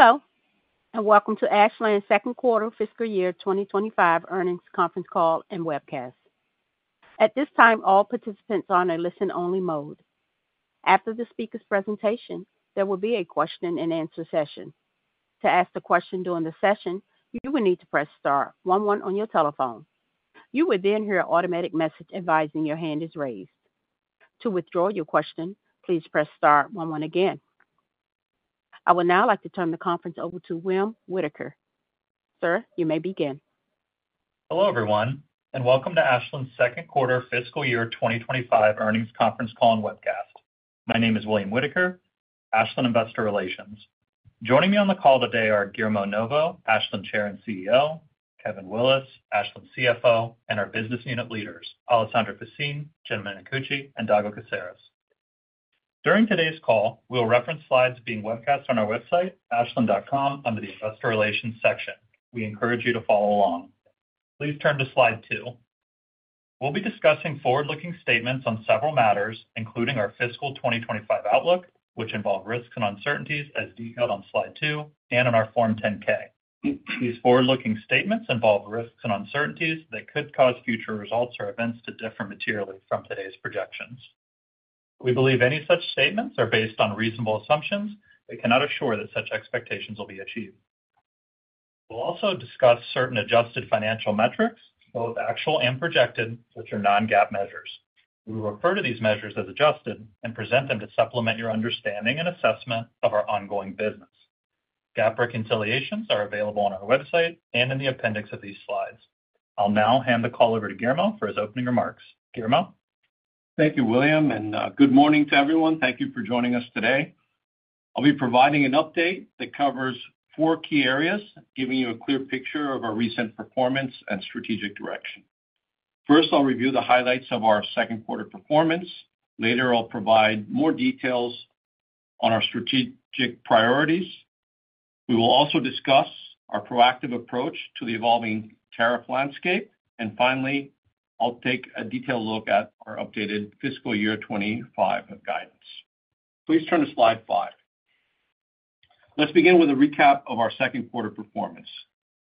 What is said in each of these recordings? Hello, and welcome to Ashland Second Quarter Fiscal Year 2025 Earnings Conference Call and Webcast. At this time, all participants are on a listen-only mode. After the speaker's presentation, there will be a question-and-answer session. To ask a question during the session, you will need to press star one one on your telephone. You will then hear an automatic message advising your hand is raised. To withdraw your question, please press star one one again. I would now like to turn the conference over to William Whitaker. Sir, you may begin. Hello, everyone, and welcome to Ashland Second Quarter Fiscal Year 2025 Earnings Conference Call and Webcast. My name is William Whitaker, Ashland Investor Relations. Joining me on the call today are Guillermo Novo, Ashland Chair and CEO, Kevin Willis, Ashland CFO, and our business unit leaders, Alessandra Faccin, Jim Minicucci, and Dago Caceres. During today's call, we'll reference slides being webcast on our website, ashland.com, under the Investor Relations section. We encourage you to follow along. Please turn to slide two. We'll be discussing forward-looking statements on several matters, including our fiscal 2025 outlook, which involve risks and uncertainties, as detailed on slide two and on our Form 10-K. These forward-looking statements involve risks and uncertainties that could cause future results or events to differ materially from today's projections. We believe any such statements are based on reasonable assumptions, but cannot assure that such expectations will be achieved. We'll also discuss certain adjusted financial metrics, both actual and projected, which are non-GAAP measures. We refer to these measures as adjusted and present them to supplement your understanding and assessment of our ongoing business. GAAP reconciliations are available on our website and in the appendix of these slides. I'll now hand the call over to Guillermo for his opening remarks. Guillermo. Thank you, William, and good morning to everyone. Thank you for joining us today. I'll be providing an update that covers four key areas, giving you a clear picture of our recent performance and strategic direction. First, I'll review the highlights of our second quarter performance. Later, I'll provide more details on our strategic priorities. We will also discuss our proactive approach to the evolving tariff landscape. Finally, I'll take a detailed look at our updated fiscal year 2025 guidance. Please turn to slide five. Let's begin with a recap of our second quarter performance.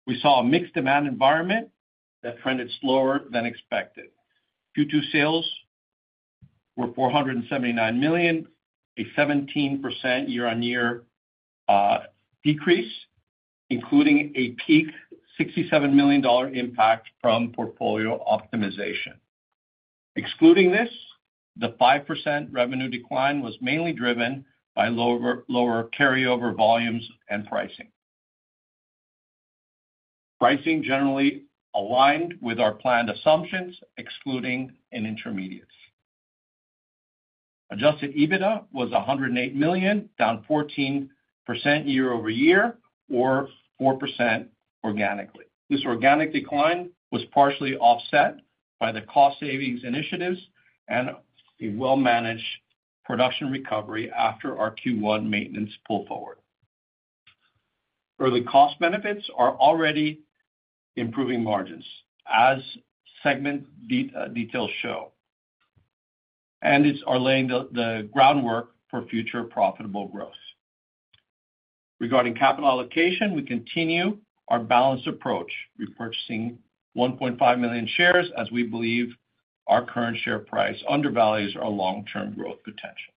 We saw a mixed demand environment that trended slower than expected. Q2 sales were $479 million, a 17% year-on-year decrease, including a peak $67 million impact from portfolio optimization. Excluding this, the 5% revenue decline was mainly driven by lower carryover volumes and pricing. Pricing generally aligned with our planned assumptions, excluding an intermediate. Adjusted EBITDA was $108 million, down 14% year-over-year, or 4% organically. This organic decline was partially offset by the cost savings initiatives and a well-managed production recovery after our Q1 maintenance pull forward. Early cost benefits are already improving margins, as segment details show, and are laying the groundwork for future profitable growth. Regarding capital allocation, we continue our balanced approach, repurchasing 1.5 million shares as we believe our current share price undervalues our long-term growth potential.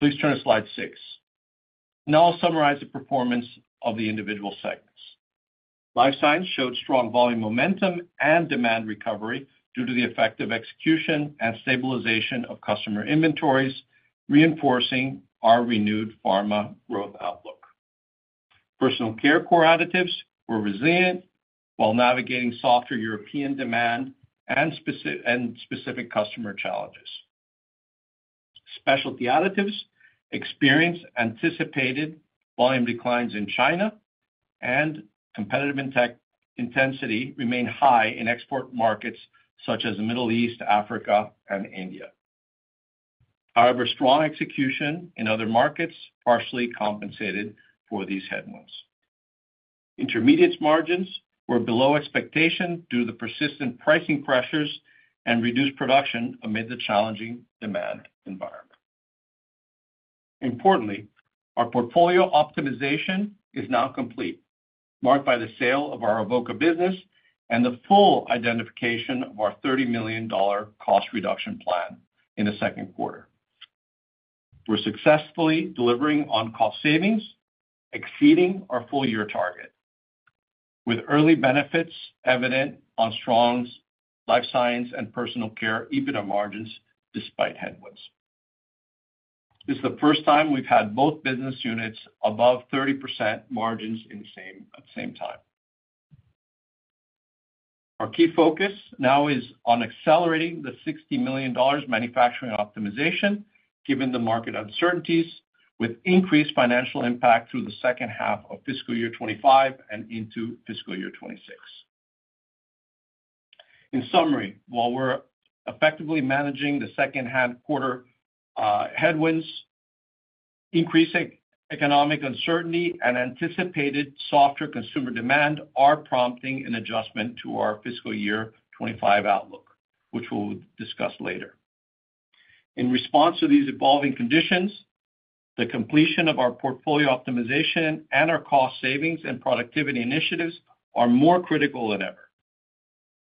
Please turn to slide six. Now I'll summarize the performance of the individual segments. Life Sciences showed strong volume momentum and demand recovery due to the effective execution and stabilization of customer inventories, reinforcing our renewed pharma growth outlook. Personal Care core additives were resilient while navigating softer European demand and specific customer challenges. Specialty Additives experienced anticipated volume declines in China, and competitive intensity remained high in export markets such as the Middle East, Africa, and India. However, strong execution in other markets partially compensated for these headwinds. Intermediates' margins were below expectation due to the persistent pricing pressures and reduced production amid the challenging demand environment. Importantly, our portfolio optimization is now complete, marked by the sale of our Evoqua business and the full identification of our $30 million cost reduction plan in the second quarter. We're successfully delivering on cost savings, exceeding our full-year target, with early benefits evident on strong Life Science and Personal Care EBITDA margins despite headwinds. This is the first time we've had both business units above 30% margins at the same time. Our key focus now is on accelerating the $60 million manufacturing optimization, given the market uncertainties, with increased financial impact through the second half of fiscal year 2025 and into fiscal year 2026. In summary, while we're effectively managing the second quarter headwinds, increasing economic uncertainty and anticipated softer consumer demand are prompting an adjustment to our fiscal year 2025 outlook, which we'll discuss later. In response to these evolving conditions, the completion of our portfolio optimization and our cost savings and productivity initiatives are more critical than ever.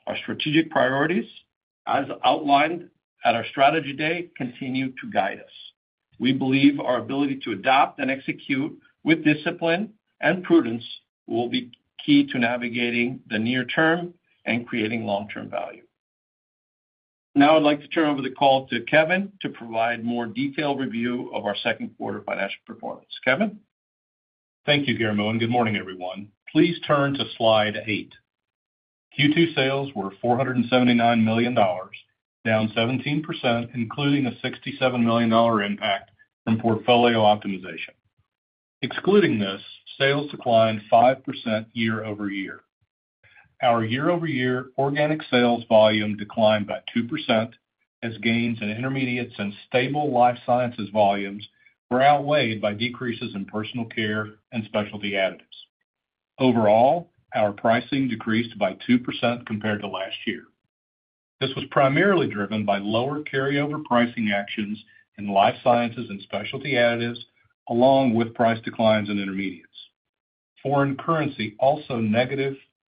Our strategic priorities, as outlined at our strategy day, continue to guide us. We believe our ability to adapt and execute with discipline and prudence will be key to navigating the near term and creating long-term value. Now I'd like to turn over the call to Kevin to provide a more detailed review of our second quarter financial performance. Kevin. Thank you, Guillermo, and good morning, everyone. Please turn to slide eight. Q2 sales were $479 million, down 17%, including a $67 million impact from portfolio optimization. Excluding this, sales declined 5% year-over-year. Our year-over-year organic sales volume declined by 2%, as gains in intermediates and stable Life Sciences volumes were outweighed by decreases in Personal Care and Specialty Additives. Overall, our pricing decreased by 2% compared to last year. This was primarily driven by lower carryover pricing actions in Life Sciences and Specialty Additives, along with price declines in intermediates. Foreign currency also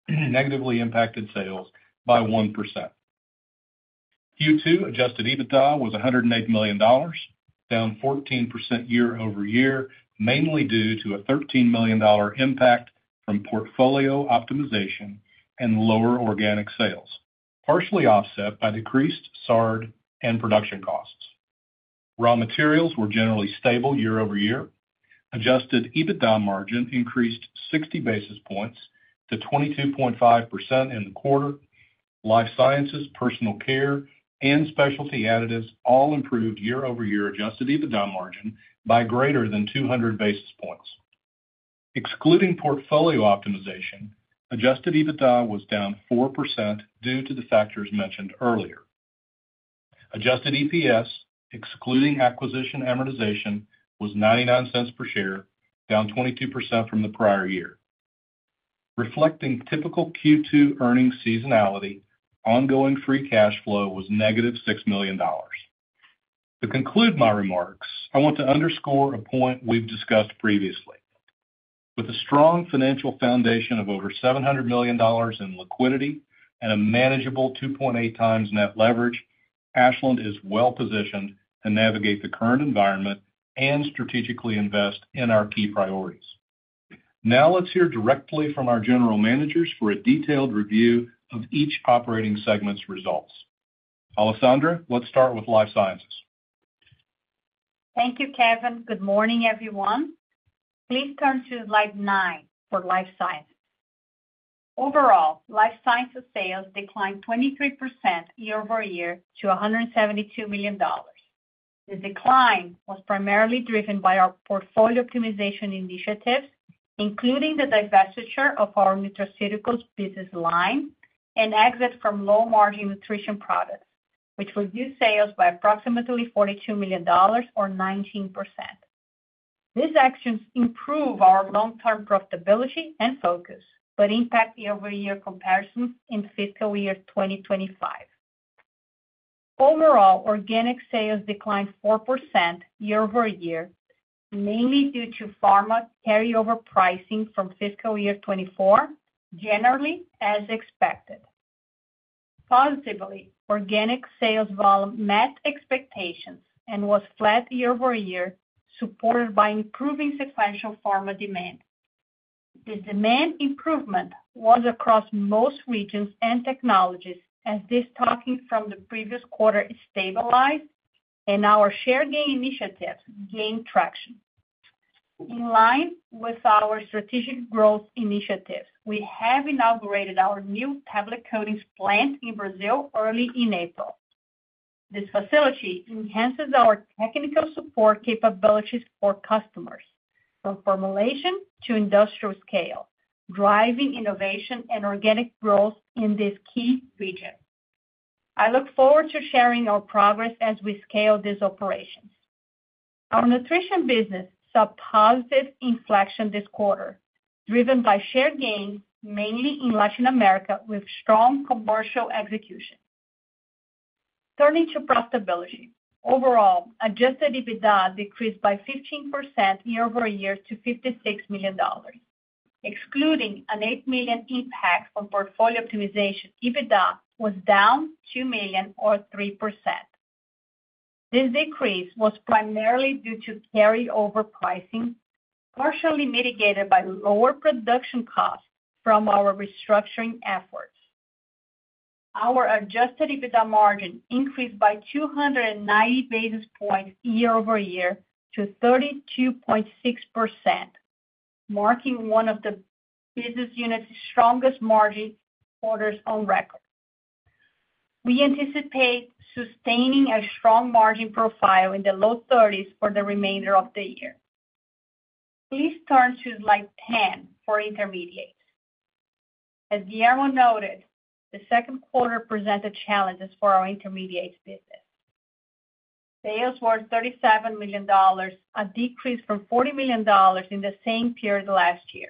negatively impacted sales by 1%. Q2 Adjusted EBITDA was $108 million, down 14% year-over-year, mainly due to a $13 million impact from portfolio optimization and lower organic sales, partially offset by decreased SARD and production costs. Raw materials were generally stable year-over-year. Adjusted EBITDA margin increased 60 basis points to 22.5% in the quarter. Life Sciences, Personal Care, and Specialty Additives all improved year-over-year Adjusted EBITDA margin by greater than 200 basis points. Excluding portfolio optimization, Adjusted EBITDA was down 4% due to the factors mentioned earlier. Adjusted EPS, excluding acquisition amortization, was $0.99 per share, down 22% from the prior year. Reflecting typical Q2 earnings seasonality, ongoing free cash flow was negative $6 million. To conclude my remarks, I want to underscore a point we've discussed previously. With a strong financial foundation of over $700 million in liquidity and a manageable 2.8x net leverage, Ashland is well-positioned to navigate the current environment and strategically invest in our key priorities. Now let's hear directly from our general managers for a detailed review of each operating segment's results. Alessandra, let's start with Life Sciences. Thank you, Kevin. Good morning, everyone. Please turn to slide nine for Life Science. Overall, Life Science sales declined 23% year-over-year to $172 million. The decline was primarily driven by our portfolio optimization initiatives, including the divestiture of our nutraceuticals business line and exit from low-margin nutrition products, which reduced sales by approximately $42 million, or 19%. These actions improve our long-term profitability and focus but impact the over-year comparison in fiscal year 2025. Overall, organic sales declined 4% year-over-year, mainly due to pharma carryover pricing from fiscal year 2024, generally as expected. Positively, organic sales volume met expectations and was flat year-over-year, supported by improving sequential pharma demand. This demand improvement was across most regions and technologies, as this talking from the previous quarter stabilized and our share gain initiatives gained traction. In line with our strategic growth initiatives, we have inaugurated our new tablet coatings plant in Brazil early in April. This facility enhances our technical support capabilities for customers from formulation to industrial scale, driving innovation and organic growth in this key region. I look forward to sharing our progress as we scale these operations. Our nutrition business saw positive inflection this quarter, driven by share gain mainly in Latin America with strong commercial execution. Turning to profitability, overall, Adjusted EBITDA decreased by 15% year-over-year to $56 million. Excluding an $8 million impact from portfolio optimization, EBITDA was down $2 million, or 3%. This decrease was primarily due to carryover pricing, partially mitigated by lower production costs from our restructuring efforts. Our Adjusted EBITDA margin increased by 290 basis points year-over-year to 32.6%, marking one of the business unit's strongest margin quarters on record. We anticipate sustaining a strong margin profile in the low 30% for the remainder of the year. Please turn to slide 10 for Intermediates. As Guillermo noted, the second quarter presented challenges for our Intermediates business. Sales were $37 million, a decrease from $40 million in the same period last year.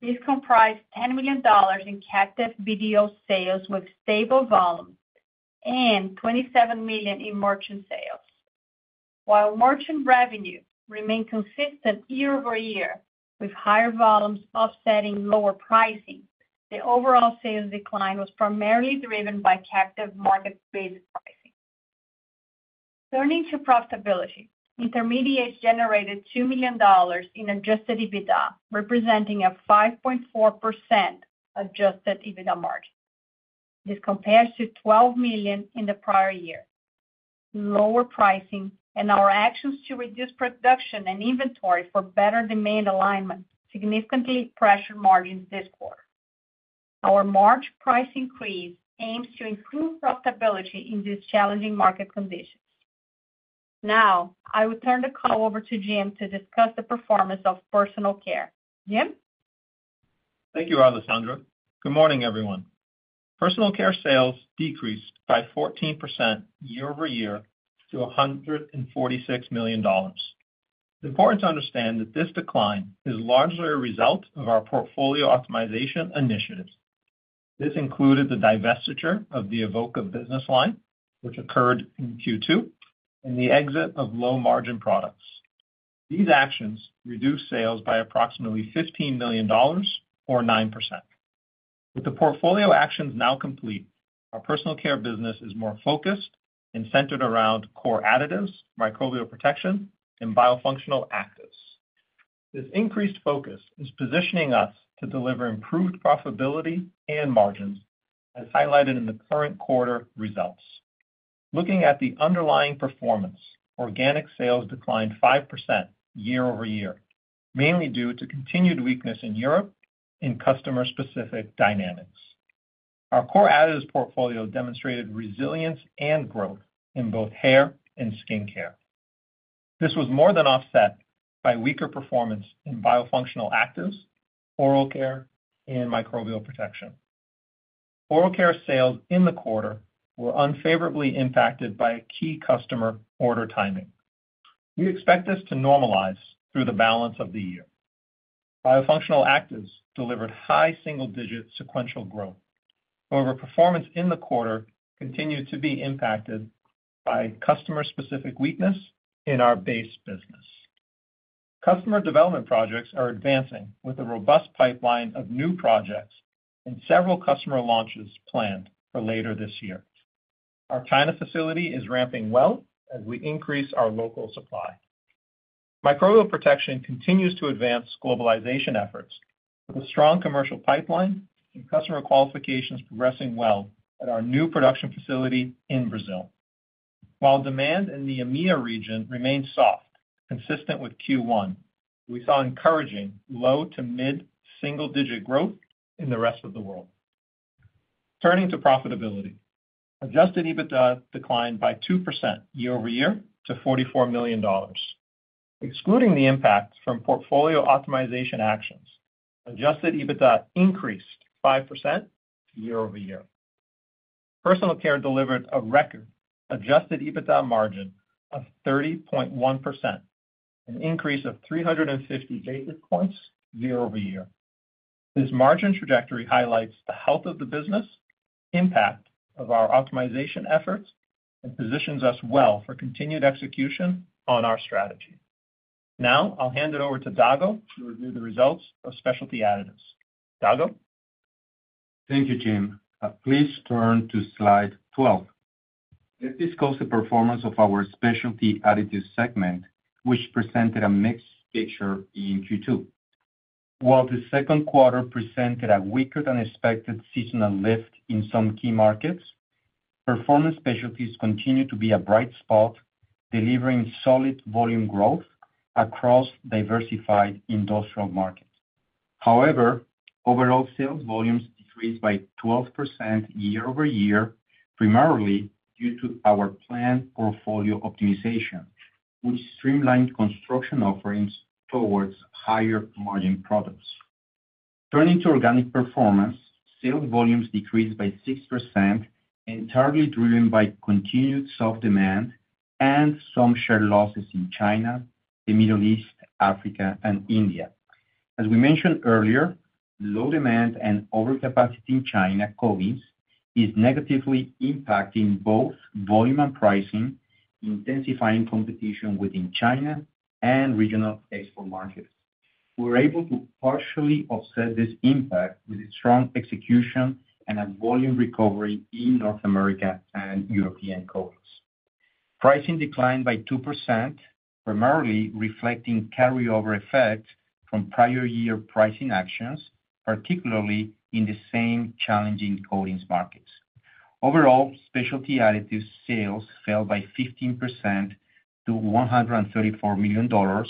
This comprised $10 million in captive BDO sales with stable volume and $27 million in merchant sales. While merchant revenue remained consistent year-over-year, with higher volumes offsetting lower pricing, the overall sales decline was primarily driven by captive market-based pricing. Turning to profitability, Intermediates generated $2 million in Adjusted EBITDA, representing a 5.4% Adjusted EBITDA margin. This compares to $12 million in the prior year. Lower pricing and our actions to reduce production and inventory for better demand alignment significantly pressured margins this quarter. Our March price increase aims to improve profitability in these challenging market conditions. Now I will turn the call over to Jim to discuss the performance of Personal Care. Jim? Thank you, Alessandra. Good morning, everyone. Personal Care sales decreased by 14% year-over-year to $146 million. It's important to understand that this decline is largely a result of our portfolio optimization initiatives. This included the divestiture of the Evoqua business line, which occurred in Q2, and the exit of low-margin products. These actions reduced sales by approximately $15 million, or 9%. With the portfolio actions now complete, our Personal Care business is more focused and centered around core additives, microbial protection, and biofunctional actives. This increased focus is positioning us to deliver improved profitability and margins, as highlighted in the current quarter results. Looking at the underlying performance, organic sales declined 5% year-over-year, mainly due to continued weakness in Europe and customer-specific dynamics. Our core additives portfolio demonstrated resilience and growth in both hair and skin care. This was more than offset by weaker performance in biofunctional actives, oral care, and microbial protection. Oral care sales in the quarter were unfavorably impacted by key customer order timing. We expect this to normalize through the balance of the year. Biofunctional actives delivered high single-digit sequential growth. However, performance in the quarter continued to be impacted by customer-specific weakness in our base business. Customer development projects are advancing with a robust pipeline of new projects and several customer launches planned for later this year. Our China facility is ramping well as we increase our local supply. Microbial protection continues to advance globalization efforts with a strong commercial pipeline and customer qualifications progressing well at our new production facility in Brazil. While demand in the EMEA region remains soft, consistent with Q1, we saw encouraging low to mid single-digit growth in the rest of the world. Turning to profitability, Adjusted EBITDA declined by 2% year-over-year to $44 million. Excluding the impact from portfolio optimization actions, Adjusted EBITDA increased 5% year-over-year. Personal Care delivered a record Adjusted EBITDA margin of 30.1%, an increase of 350 basis points year-over-year. This margin trajectory highlights the health of the business, impact of our optimization efforts, and positions us well for continued execution on our strategy. Now I'll hand it over to Dago to review the results of Specialty Additives. Dago? Thank you, Jim. Please turn to slide 12. Let's discuss the performance of our Specialty Additives segment, which presented a mixed picture in Q2. While the second quarter presented a weaker-than-expected seasonal lift in some key markets, performance specialties continued to be a bright spot, delivering solid volume growth across diversified industrial markets. However, overall sales volumes decreased by 12% year-over-year, primarily due to our planned portfolio optimization, which streamlined construction offerings towards higher margin products. Turning to organic performance, sales volumes decreased by 6%, entirely driven by continued soft demand and some share losses in China, the Middle East, Africa, and India. As we mentioned earlier, low demand and overcapacity in China is negatively impacting both volume and pricing, intensifying competition within China and regional export markets. We were able to partially offset this impact with strong execution and a volume recovery in North America and Europe. Pricing declined by 2%, primarily reflecting carryover effects from prior year pricing actions, particularly in the same challenging COVIDs markets. Overall, Specialty Additives sales fell by 15% to $134 million,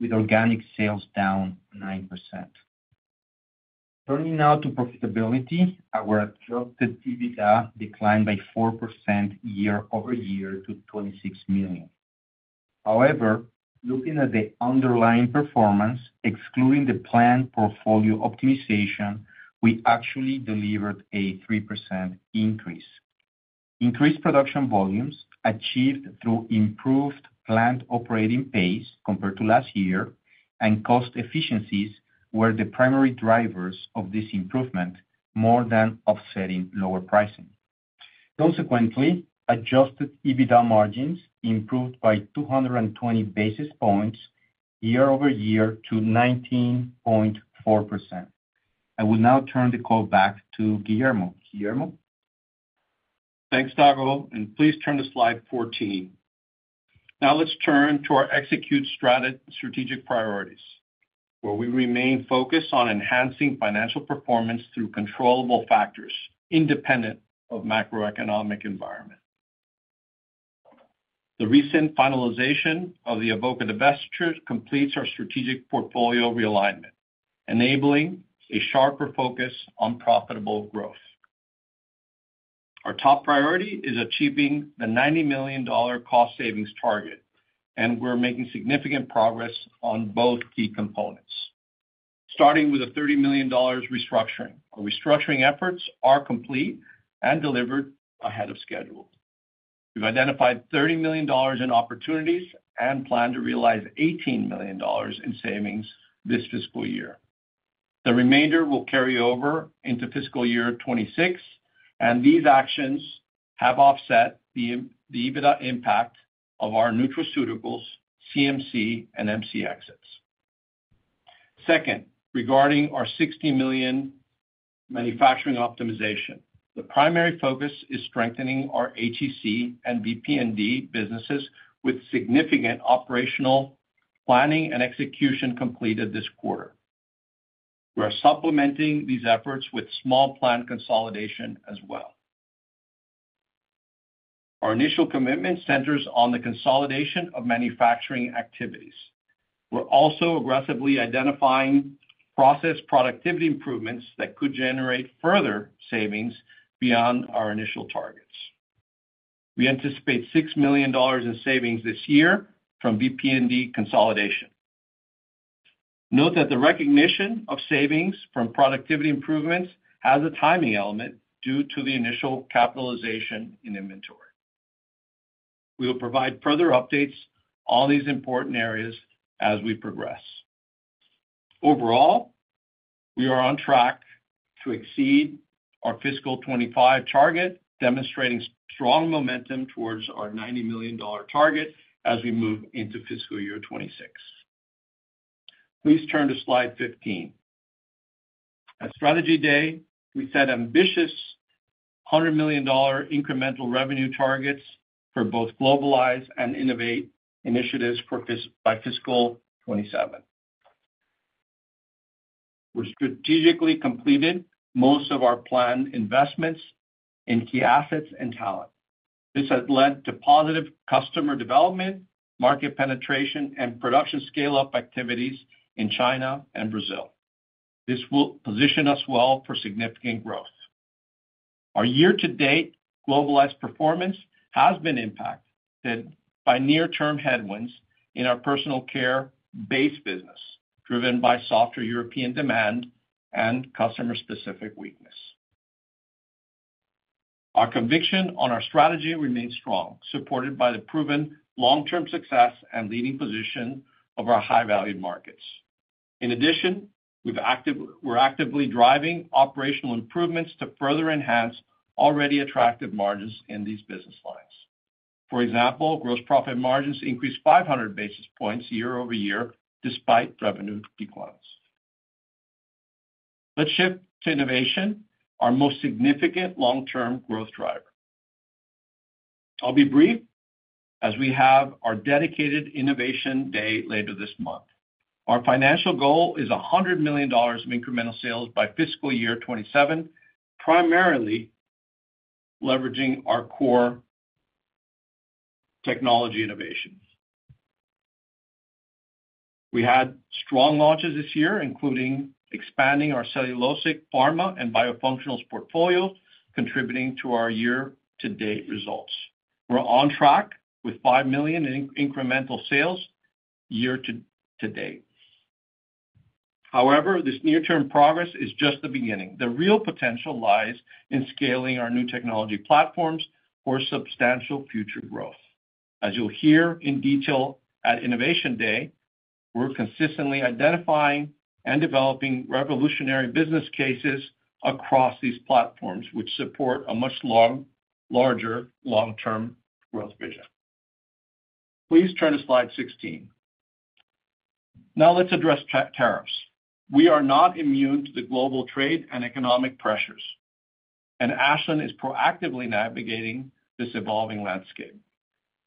with organic sales down 9%. Turning now to profitability, our Adjusted EBITDA declined by 4% year-over-year to $26 million. However, looking at the underlying performance, excluding the planned portfolio optimization, we actually delivered a 3% increase. Increased production volumes achieved through improved plant operating pace compared to last year, and cost efficiencies were the primary drivers of this improvement, more than offsetting lower pricing. Consequently, Adjusted EBITDA margins improved by 220 basis points year-over-year to 19.4%. I will now turn the call back to Guillermo. Guillermo? Thanks, Dago. Please turn to slide 14. Now let's turn to our execute strategic priorities, where we remain focused on enhancing financial performance through controllable factors independent of macroeconomic environment. The recent finalization of the Evoqua divestiture completes our strategic portfolio realignment, enabling a sharper focus on profitable growth. Our top priority is achieving the $90 million cost savings target, and we're making significant progress on both key components, starting with a $30 million restructuring. Our restructuring efforts are complete and delivered ahead of schedule. We've identified $30 million in opportunities and plan to realize $18 million in savings this fiscal year. The remainder will carry over into fiscal year 2026, and these actions have offset the EBITDA impact of our nutraceuticals, CMC, and MC exits. Second, regarding our $60 million manufacturing optimization, the primary focus is strengthening our HEC and BP&D businesses with significant operational planning and execution completed this quarter. We are supplementing these efforts with small plant consolidation as well. Our initial commitment centers on the consolidation of manufacturing activities. We're also aggressively identifying process productivity improvements that could generate further savings beyond our initial targets. We anticipate $6 million in savings this year from BP&D consolidation. Note that the recognition of savings from productivity improvements has a timing element due to the initial capitalization in inventory. We will provide further updates on these important areas as we progress. Overall, we are on track to exceed our fiscal 2025 target, demonstrating strong momentum towards our $90 million target as we move into fiscal year 2026. Please turn to slide 15. At Strategy Day, we set ambitious $100 million incremental revenue targets for both globalize and innovate initiatives by fiscal 2027. We're strategically completed most of our planned investments in key assets and talent. This has led to positive customer development, market penetration, and production scale-up activities in China and Brazil. This will position us well for significant growth. Our year-to-date globalize performance has been impacted by near-term headwinds in our Personal Care base business, driven by softer European demand and customer-specific weakness. Our conviction on our strategy remains strong, supported by the proven long-term success and leading position of our high-value markets. In addition, we're actively driving operational improvements to further enhance already attractive margins in these business lines. For example, gross profit margins increased 500 basis points year-over-year despite revenue declines. Let's shift to innovation, our most significant long-term growth driver. I'll be brief as we have our dedicated Innovation Day later this month. Our financial goal is $100 million in incremental sales by fiscal year 2027, primarily leveraging our core technology innovations. We had strong launches this year, including expanding our cellulosic, pharma, and biofunctionals portfolio, contributing to our year-to-date results. We're on track with $5 million in incremental sales year-to-date. However, this near-term progress is just the beginning. The real potential lies in scaling our new technology platforms for substantial future growth. As you'll hear in detail at Innovation Day, we're consistently identifying and developing revolutionary business cases across these platforms, which support a much larger long-term growth vision. Please turn to slide 16. Now let's address tariffs. We are not immune to the global trade and economic pressures, and Ashland is proactively navigating this evolving landscape.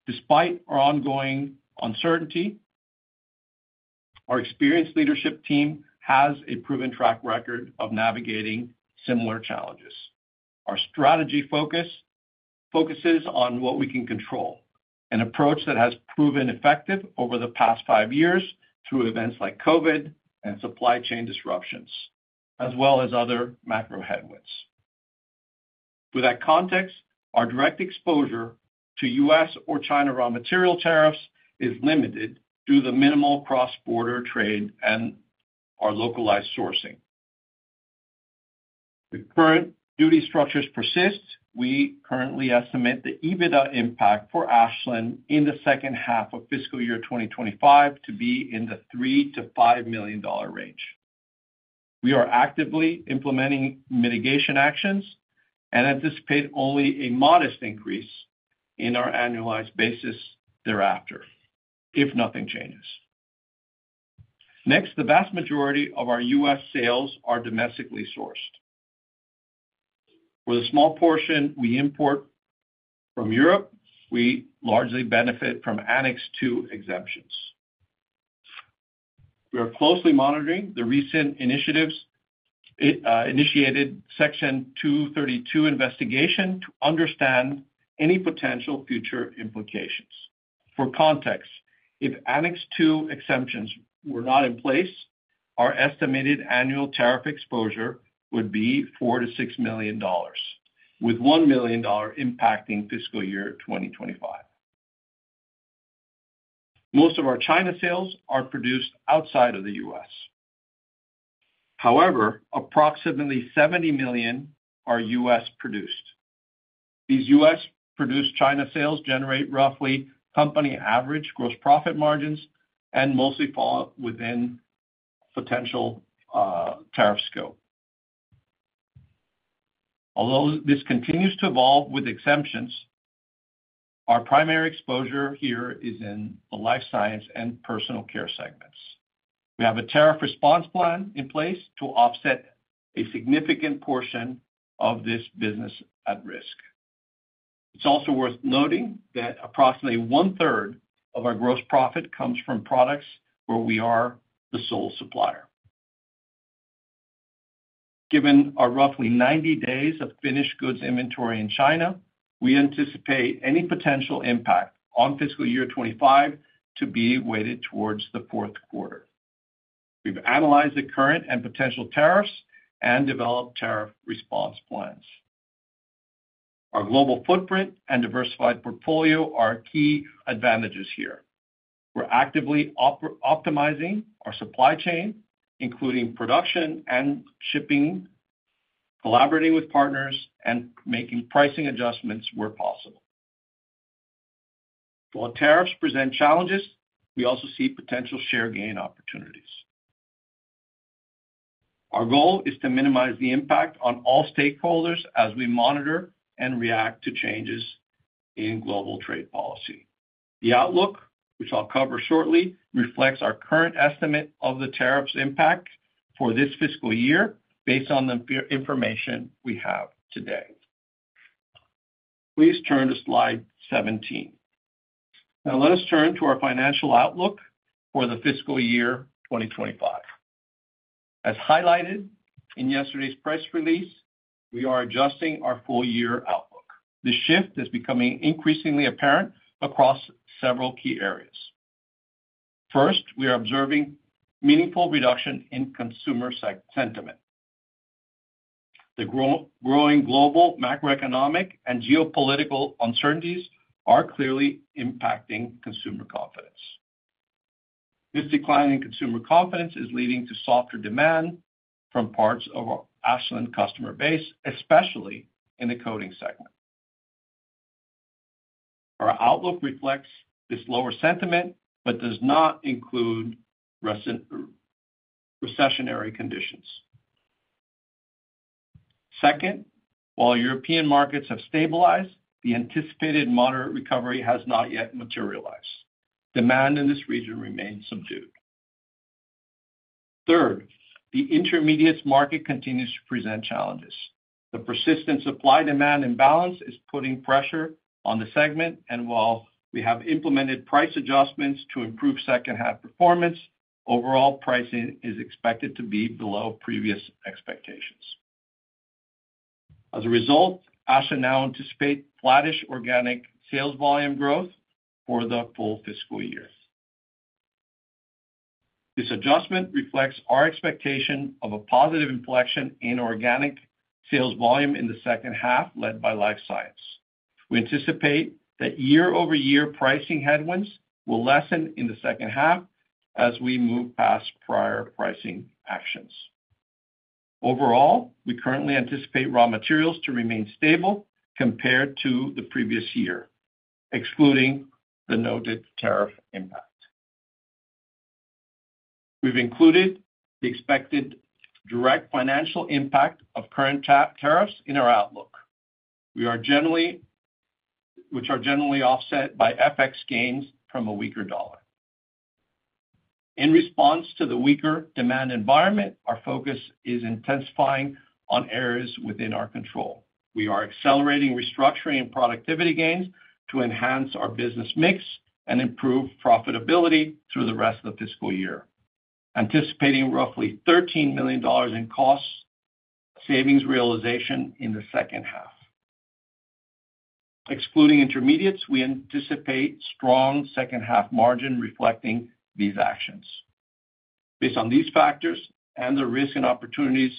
Despite our ongoing uncertainty, our experienced leadership team has a proven track record of navigating similar challenges. Our strategy focuses on what we can control, an approach that has proven effective over the past five years through events like COVID and supply chain disruptions, as well as other macro headwinds. With that context, our direct exposure to U.S. or China raw material tariffs is limited due to the minimal cross-border trade and our localized sourcing. The current duty structures persist. We currently estimate the EBITDA impact for Ashland in the second half of fiscal year 2025 to be in the $3 million-$5 million range. We are actively implementing mitigation actions and anticipate only a modest increase in our annualized basis thereafter, if nothing changes. Next, the vast majority of our U.S. sales are domestically sourced. For the small portion we import from Europe, we largely benefit from Annex II exemptions. We are closely monitoring the recent initiatives initiated Section 232 investigation to understand any potential future implications. For context, if Annex II exemptions were not in place, our estimated annual tariff exposure would be $4-$6 million, with $1 million impacting fiscal year 2025. Most of our China sales are produced outside of the U.S. However, approximately $70 million are U.S. produced. These U.S. produced China sales generate roughly company average gross profit margins and mostly fall within potential tariff scope. Although this continues to evolve with exemptions, our primary exposure here is in the Life Sciences and Personal Care segments. We have a tariff response plan in place to offset a significant portion of this business at risk. It's also worth noting that approximately one-third of our gross profit comes from products where we are the sole supplier. Given our roughly 90 days of finished goods inventory in China, we anticipate any potential impact on fiscal year 2025 to be weighted towards the fourth quarter. We've analyzed the current and potential tariffs and developed tariff response plans. Our global footprint and diversified portfolio are key advantages here. We're actively optimizing our supply chain, including production and shipping, collaborating with partners, and making pricing adjustments where possible. While tariffs present challenges, we also see potential share gain opportunities. Our goal is to minimize the impact on all stakeholders as we monitor and react to changes in global trade policy. The outlook, which I'll cover shortly, reflects our current estimate of the tariffs impact for this fiscal year based on the information we have today. Please turn to slide 17. Now let us turn to our financial outlook for the fiscal year 2025. As highlighted in yesterday's press release, we are adjusting our full year outlook. The shift is becoming increasingly apparent across several key areas. First, we are observing meaningful reduction in consumer sentiment. The growing global macroeconomic and geopolitical uncertainties are clearly impacting consumer confidence. This decline in consumer confidence is leading to softer demand from parts of our Ashland customer base, especially in the coatings segment. Our outlook reflects this lower sentiment but does not include recessionary conditions. Second, while European markets have stabilized, the anticipated moderate recovery has not yet materialized. Demand in this region remains subdued. Third, the intermediates market continues to present challenges. The persistent supply-demand imbalance is putting pressure on the segment, and while we have implemented price adjustments to improve second-half performance, overall pricing is expected to be below previous expectations. As a result, Ashland now anticipates flattish organic sales volume growth for the full fiscal year. This adjustment reflects our expectation of a positive inflection in organic sales volume in the second half, led by Life Science. We anticipate that year-over-year pricing headwinds will lessen in the second half as we move past prior pricing actions. Overall, we currently anticipate raw materials to remain stable compared to the previous year, excluding the noted tariff impact. We've included the expected direct financial impact of current tariffs in our outlook, which are generally offset by FX gains from a weaker dollar. In response to the weaker demand environment, our focus is intensifying on areas within our control. We are accelerating restructuring and productivity gains to enhance our business mix and improve profitability through the rest of the fiscal year, anticipating roughly $13 million in cost savings realization in the second half. Excluding intermediates, we anticipate strong second-half margin reflecting these actions. Based on these factors and the risk and opportunities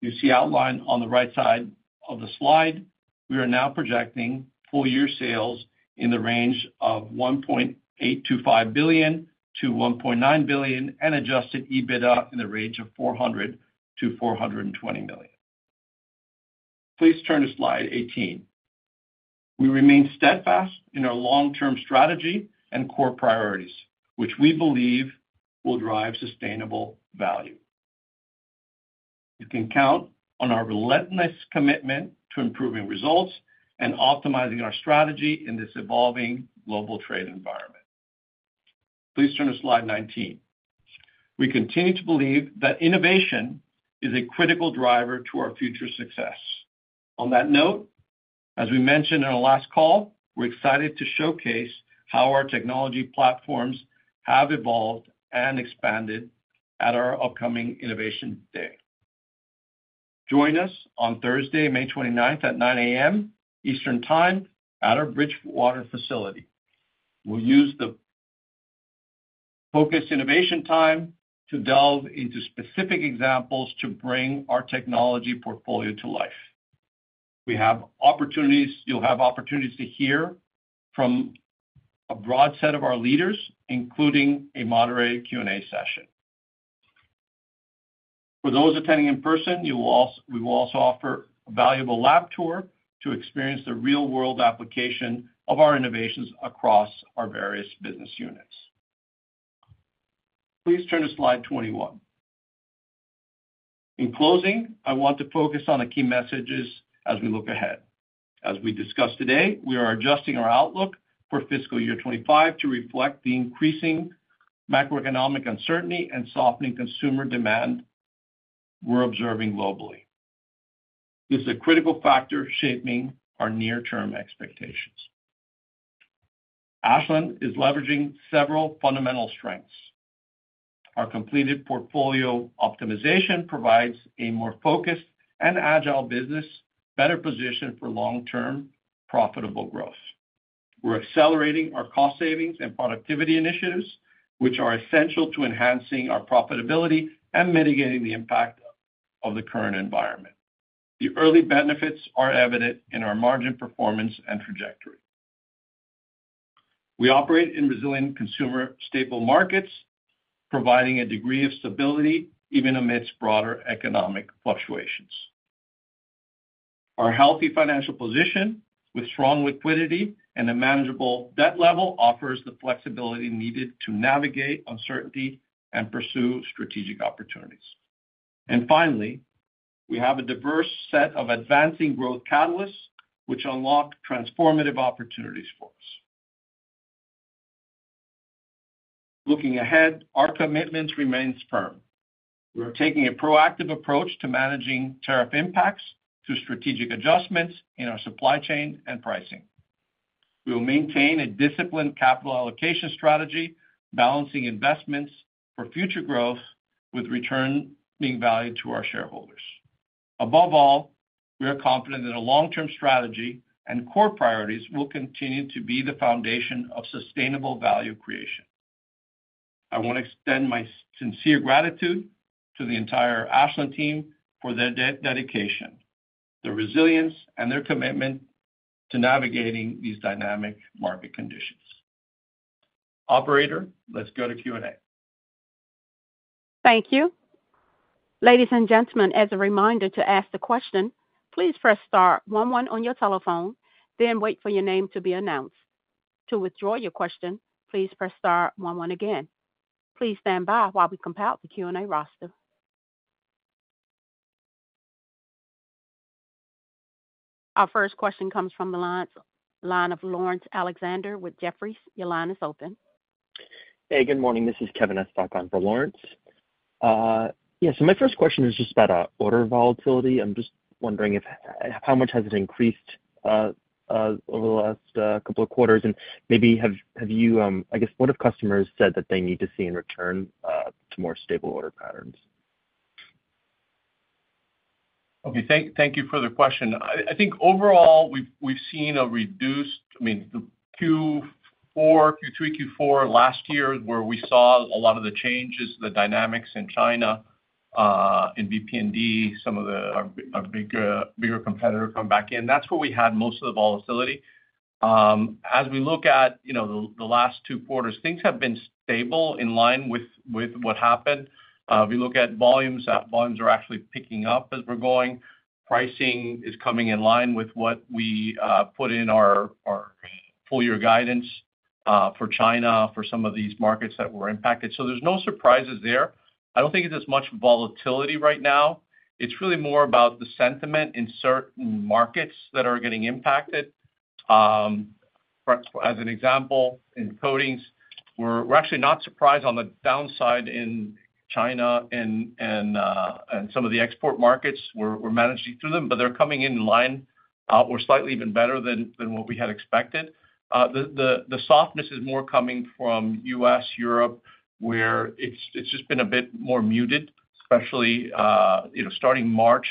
you see outlined on the right side of the slide, we are now projecting full year sales in the range of $1.825 billion-$1.9 billion and Adjusted EBITDA in the range of $400-$420 million. Please turn to slide 18. We remain steadfast in our long-term strategy and core priorities, which we believe will drive sustainable value. You can count on our relentless commitment to improving results and optimizing our strategy in this evolving global trade environment. Please turn to slide 19. We continue to believe that innovation is a critical driver to our future success. On that note, as we mentioned in our last call, we're excited to showcase how our technology platforms have evolved and expanded at our upcoming Innovation Day. Join us on Thursday, May 29 at 9:00 A.M. Eastern Time at our Bridgewater facility. We'll use the focus innovation time to delve into specific examples to bring our technology portfolio to life. We have opportunities; you'll have opportunities to hear from a broad set of our leaders, including a moderated Q&A session. For those attending in person, we will also offer a valuable lab tour to experience the real-world application of our innovations across our various business units. Please turn to slide 21. In closing, I want to focus on the key messages as we look ahead. As we discussed today, we are adjusting our outlook for fiscal year 2025 to reflect the increasing macroeconomic uncertainty and softening consumer demand we're observing globally. This is a critical factor shaping our near-term expectations. Ashland is leveraging several fundamental strengths. Our completed portfolio optimization provides a more focused and agile business, better positioned for long-term profitable growth. We're accelerating our cost savings and productivity initiatives, which are essential to enhancing our profitability and mitigating the impact of the current environment. The early benefits are evident in our margin performance and trajectory. We operate in resilient consumer stable markets, providing a degree of stability even amidst broader economic fluctuations. Our healthy financial position with strong liquidity and a manageable debt level offers the flexibility needed to navigate uncertainty and pursue strategic opportunities. Finally, we have a diverse set of advancing growth catalysts, which unlock transformative opportunities for us. Looking ahead, our commitments remain firm. We are taking a proactive approach to managing tariff impacts through strategic adjustments in our supply chain and pricing. We will maintain a disciplined capital allocation strategy, balancing investments for future growth with return being valued to our shareholders. Above all, we are confident that a long-term strategy and core priorities will continue to be the foundation of sustainable value creation. I want to extend my sincere gratitude to the entire Ashland team for their dedication, their resilience, and their commitment to navigating these dynamic market conditions. Operator, let's go to Q&A. Thank you. Ladies and gentlemen, as a reminder to ask the question, please press star one one on your telephone, then wait for your name to be announced. To withdraw your question, please press star one one again. Please stand by while we compile the Q&A roster. Our first question comes from the line of Lawrence Alexander with Jefferies. Your line is open. Hey, good morning. This is Kevin Estok for Lawrence. Yeah, so my first question is just about order volatility. I'm just wondering how much has it increased over the last couple of quarters, and maybe have you, I guess, what have customers said that they need to see in return to more stable order patterns? Okay, thank you for the question. I think overall we've seen a reduced, I mean, Q3, Q4 last year where we saw a lot of the changes, the dynamics in China, in BP&D, some of our bigger competitors come back in. That's where we had most of the volatility. As we look at the last two quarters, things have been stable in line with what happened. If you look at volumes, volumes are actually picking up as we're going. Pricing is coming in line with what we put in our full year guidance for China for some of these markets that were impacted. There are no surprises there. I do not think it is as much volatility right now. It is really more about the sentiment in certain markets that are getting impacted. As an example, in coatings, we are actually not surprised on the downside in China and some of the export markets. We are managing through them, but they are coming in line or slightly even better than what we had expected. The softness is more coming from the U.S., Europe, where it has just been a bit more muted, especially starting March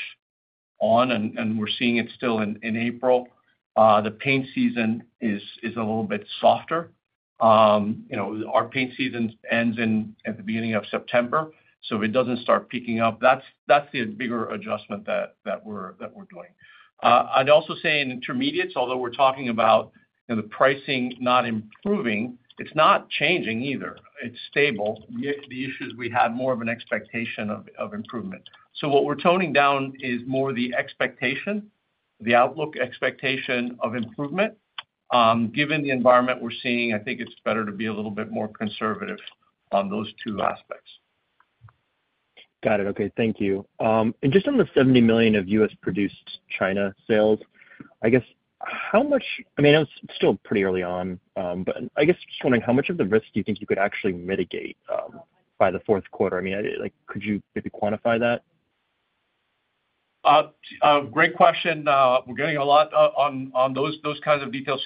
on, and we are seeing it still in April. The paint season is a little bit softer. Our paint season ends at the beginning of September, so if it does not start picking up, that is the bigger adjustment that we are doing. I would also say in intermediates, although we are talking about the pricing not improving, it is not changing either. It is stable. The issues we had were more of an expectation of improvement. What we're toning down is more the expectation, the outlook expectation of improvement. Given the environment we're seeing, I think it's better to be a little bit more conservative on those two aspects. Got it. Okay, thank you. Just on the $70 million of U.S.-produced China sales, I guess how much—I mean, it's still pretty early on, but I guess just wondering how much of the risk do you think you could actually mitigate by the fourth quarter? I mean, could you maybe quantify that? Great question. We're getting a lot on those kinds of details.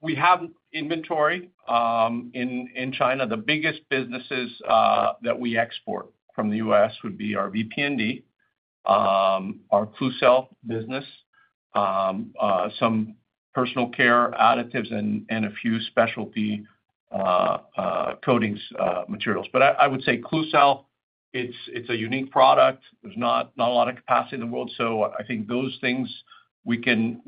We have inventory in China. The biggest businesses that we export from the U.S. would be our BP&D, our Klucel business, some Personal Care additives, and a few specialty coatings materials. I would say Klucel, it's a unique product. There's not a lot of capacity in the world, so I think those things we can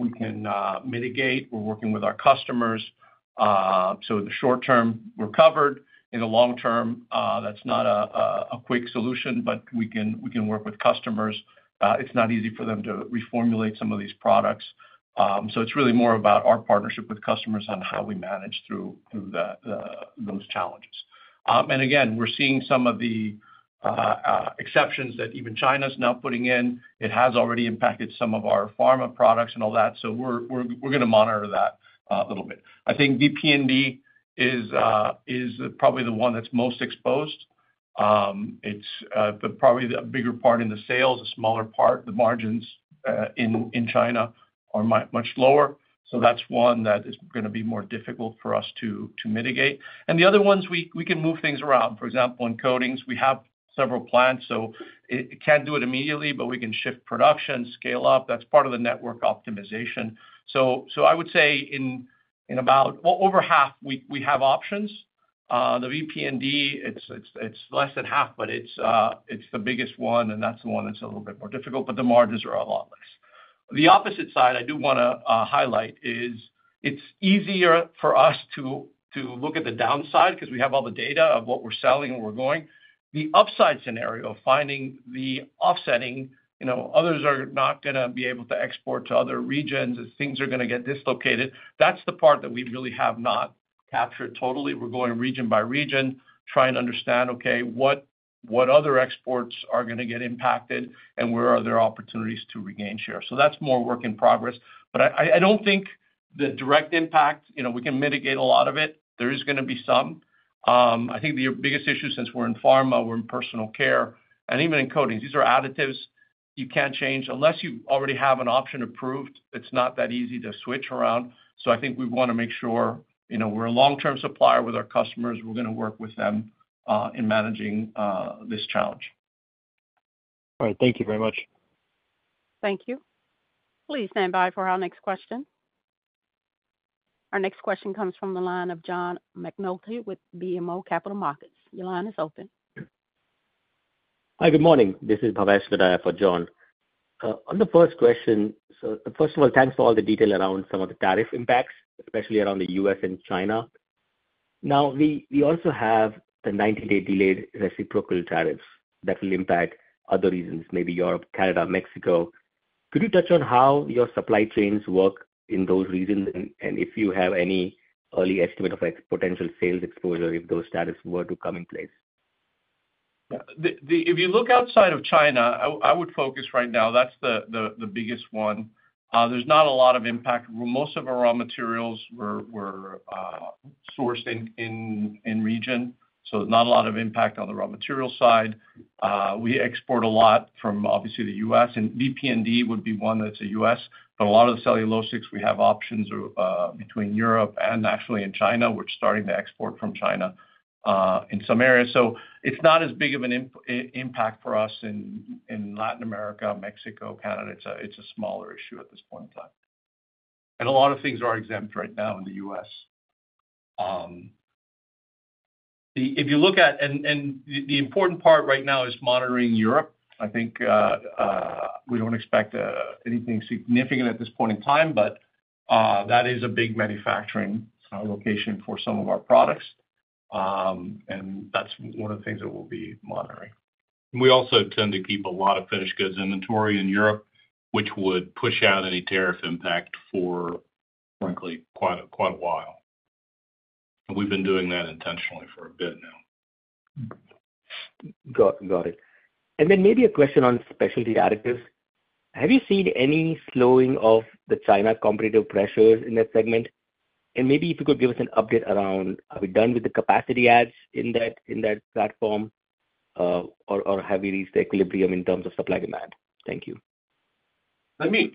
mitigate. We're working with our customers. In the short term, we're covered. In the long term, that's not a quick solution, but we can work with customers. It's not easy for them to reformulate some of these products. It's really more about our partnership with customers and how we manage through those challenges. Again, we're seeing some of the exceptions that even China is now putting in. It has already impacted some of our pharma products and all that, so we're going to monitor that a little bit. I think BP&D is probably the one that's most exposed. It's probably a bigger part in the sales, a smaller part. The margins in China are much lower, so that's one that is going to be more difficult for us to mitigate. The other ones, we can move things around. For example, in coatings, we have several plants, so it cannot do it immediately, but we can shift production, scale up. That is part of the network optimization. I would say in about, well, over half, we have options. The BP&D, it is less than half, but it is the biggest one, and that is the one that is a little bit more difficult, but the margins are a lot less. The opposite side I do want to highlight is it is easier for us to look at the downside because we have all the data of what we are selling and where we are going. The upside scenario of finding the offsetting, others are not going to be able to export to other regions as things are going to get dislocated. That is the part that we really have not captured totally. We're going region by region, trying to understand, okay, what other exports are going to get impacted and where are there opportunities to regain share. That is more work in progress. I do not think the direct impact, we can mitigate a lot of it. There is going to be some. I think the biggest issue since we're in pharma, we're in Personal Care, and even in coatings, these are additives you cannot change unless you already have an option approved. It is not that easy to switch around. I think we want to make sure we're a long-term supplier with our customers. We're going to work with them in managing this challenge. All right. Thank you very much. Thank you. Please stand by for our next question. Our next question comes from the line of John McNulty with BMO Capital Markets. Your line is open. Hi, good morning. This is Bhavesh Lodaya for John. On the first question, first of all, thanks for all the detail around some of the tariff impacts, especially around the U.S. and China. Now, we also have the 90-day delayed reciprocal tariffs that will impact other regions, maybe Europe, Canada, Mexico. Could you touch on how your supply chains work in those regions and if you have any early estimate of potential sales exposure if those tariffs were to come in place? If you look outside of China, I would focus right now. That's the biggest one. There's not a lot of impact. Most of our raw materials were sourced in region, so not a lot of impact on the raw material side. We export a lot from, obviously, the U.S., and BP&D would be one that's a U.S., but a lot of the cellulose sticks we have options between Europe and actually in China. We're starting to export from China in some areas. It's not as big of an impact for us in Latin America, Mexico, Canada. It's a smaller issue at this point in time. A lot of things are exempt right now in the U.S. If you look at, and the important part right now is monitoring Europe. I think we don't expect anything significant at this point in time, but that is a big manufacturing location for some of our products, and that's one of the things that we'll be monitoring. We also tend to keep a lot of finished goods inventory in Europe, which would push out any tariff impact for, frankly, quite a while. We have been doing that intentionally for a bit now. Got it. Maybe a question on Specialty Additives. Have you seen any slowing of the China competitive pressures in that segment? Maybe if you could give us an update around, are we done with the capacity adds in that platform, or have we reached the equilibrium in terms of supply demand? Thank you. Let me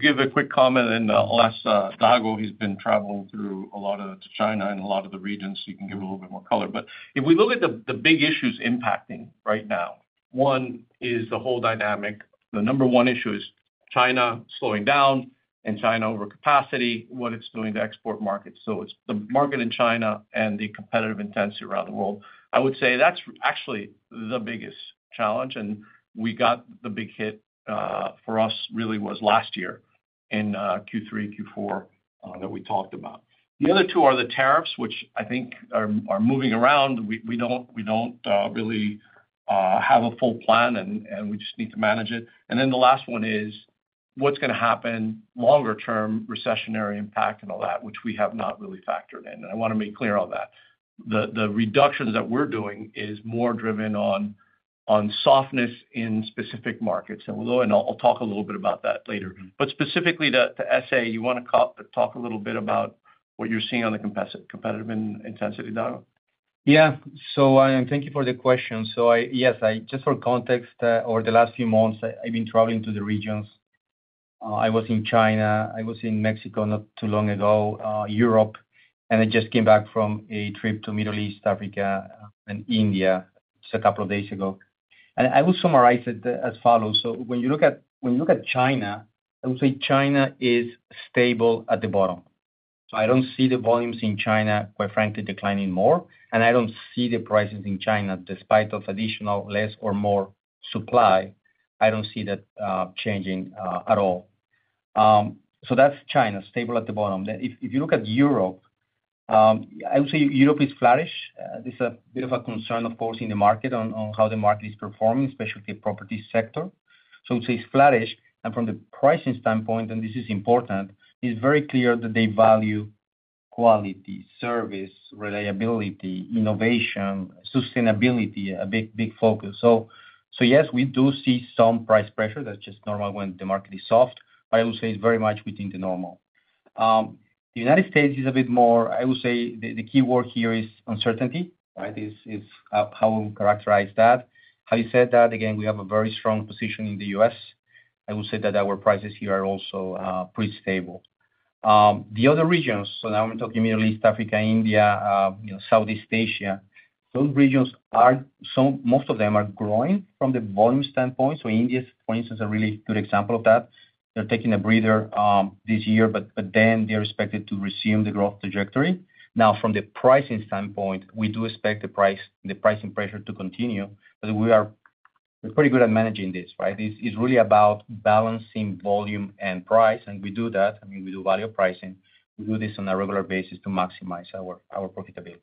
give a quick comment, and I will ask Dago. He has been traveling through a lot of China and a lot of the regions, so he can give a little bit more color. If we look at the big issues impacting right now, one is the whole dynamic. The number one issue is China slowing down and China overcapacity, what it is doing to export markets. It is the market in China and the competitive intensity around the world. I would say that's actually the biggest challenge, and we got the big hit for us really was last year in Q3, Q4 that we talked about. The other two are the tariffs, which I think are moving around. We don't really have a full plan, and we just need to manage it. The last one is what's going to happen longer term, recessionary impact and all that, which we have not really factored in. I want to make clear on that. The reductions that we're doing are more driven on softness in specific markets. I'll talk a little bit about that later. Specifically to essay, you want to talk a little bit about what you're seeing on the competitive intensity, Dago? Yeah. Thank you for the question. Yes, just for context, over the last few months, I've been traveling to the regions. I was in China. I was in Mexico not too long ago, Europe, and I just came back from a trip to Middle East, Africa, and India just a couple of days ago. I will summarize it as follows. When you look at China, I would say China is stable at the bottom. I do not see the volumes in China, quite frankly, declining more, and I do not see the prices in China, despite additional or less or more supply, I do not see that changing at all. That is China, stable at the bottom. If you look at Europe, I would say Europe is flourished. There is a bit of a concern, of course, in the market on how the market is performing, especially the property sector. I would say it is flourished. From the pricing standpoint, and this is important, it's very clear that they value quality, service, reliability, innovation, sustainability, a big focus. Yes, we do see some price pressure. That's just normal when the market is soft, but I would say it's very much within the normal. The United States is a bit more, I would say the key word here is uncertainty, right? It's how we'll characterize that. How you said that, again, we have a very strong position in the U.S. I would say that our prices here are also pretty stable. The other regions, so now we're talking Middle East, Africa, India, Southeast Asia, those regions, most of them are growing from the volume standpoint. India is, for instance, a really good example of that. They're taking a breather this year, but then they're expected to resume the growth trajectory. Now, from the pricing standpoint, we do expect the pricing pressure to continue, but we are pretty good at managing this, right? It's really about balancing volume and price, and we do that. I mean, we do value pricing. We do this on a regular basis to maximize our profitability.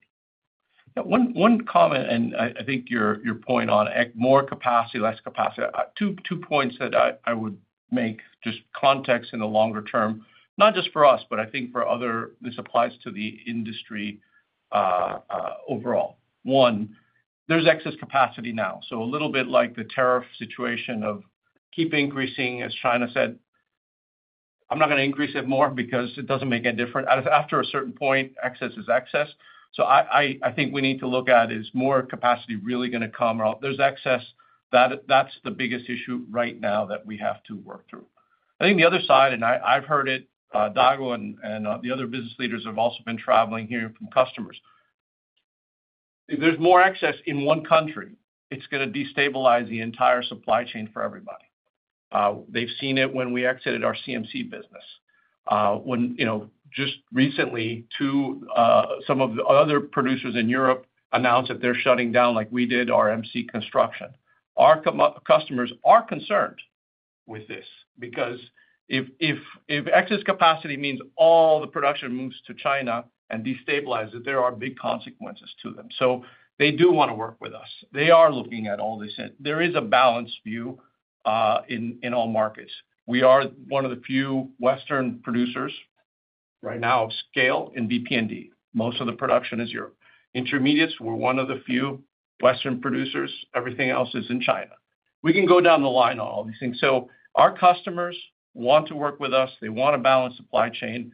One comment, and I think your point on more capacity, less capacity, two points that I would make just context in the longer term, not just for us, but I think for other, this applies to the industry overall. One, there's excess capacity now. A little bit like the tariff situation of keep increasing, as China said, "I'm not going to increase it more because it doesn't make a difference." After a certain point, excess is excess. I think we need to look at is more capacity really going to come? There's excess. That's the biggest issue right now that we have to work through. I think the other side, and I've heard it, Dago and the other business leaders have also been traveling here from customers. If there's more excess in one country, it's going to destabilize the entire supply chain for everybody. They've seen it when we exited our CMC business. Just recently, some of the other producers in Europe announced that they're shutting down like we did our MC Construction. Our customers are concerned with this because if excess capacity means all the production moves to China and destabilizes it, there are big consequences to them. They do want to work with us. They are looking at all this. There is a balance view in all markets. We are one of the few Western producers right now of scale in BP&D. Most of the production is Europe. Intermediates, we're one of the few Western producers. Everything else is in China. We can go down the line on all these things. Our customers want to work with us. They want a balanced supply chain.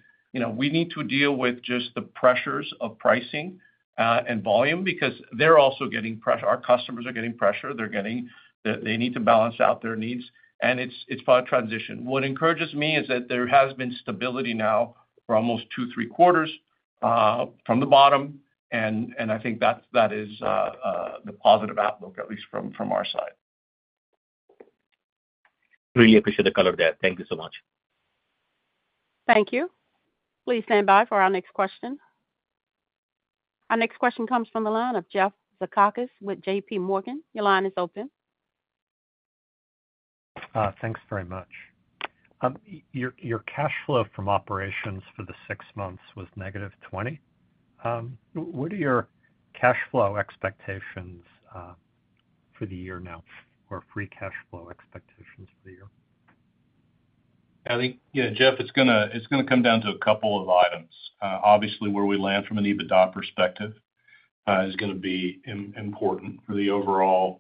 We need to deal with just the pressures of pricing and volume because they're also getting pressure. Our customers are getting pressure. They need to balance out their needs, and it's about transition. What encourages me is that there has been stability now for almost two, three quarters from the bottom, and I think that is the positive outlook, at least from our side. Really appreciate the color there. Thank you so much. Thank you. Please stand by for our next question. Our next question comes from the line of Jeff Zekauskas with JPMorgan. Your line is open. Thanks very much. Your cash flow from operations for the six months was negative $20. What are your cash flow expectations for the year now, or free cash flow expectations for the year? I think, Jeff, it's going to come down to a couple of items. Obviously, where we land from an EBITDA perspective is going to be important for the overall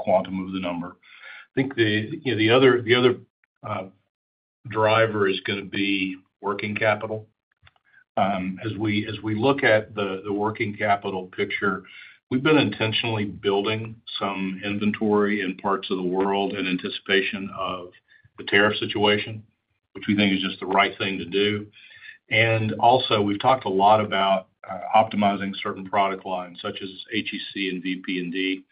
quantum of the number. I think the other driver is going to be working capital. As we look at the working capital picture, we've been intentionally building some inventory in parts of the world in anticipation of the tariff situation, which we think is just the right thing to do. We have also talked a lot about optimizing certain product lines, such as HEC and BP&D,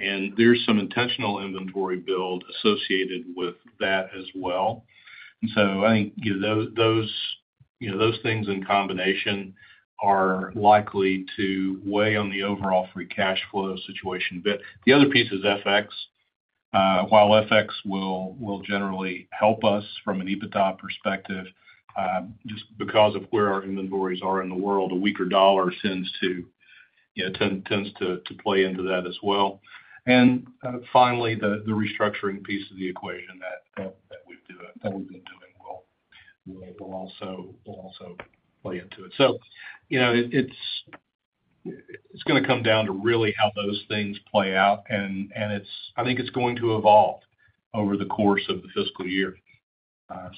and there's some intentional inventory build associated with that as well. I think those things in combination are likely to weigh on the overall free cash flow situation. The other piece is FX. While FX will generally help us from an EBITDA perspective, just because of where our inventories are in the world, a weaker dollar tends to play into that as well. Finally, the restructuring piece of the equation that we've been doing will also play into it. It is going to come down to really how those things play out, and I think it is going to evolve over the course of the fiscal year.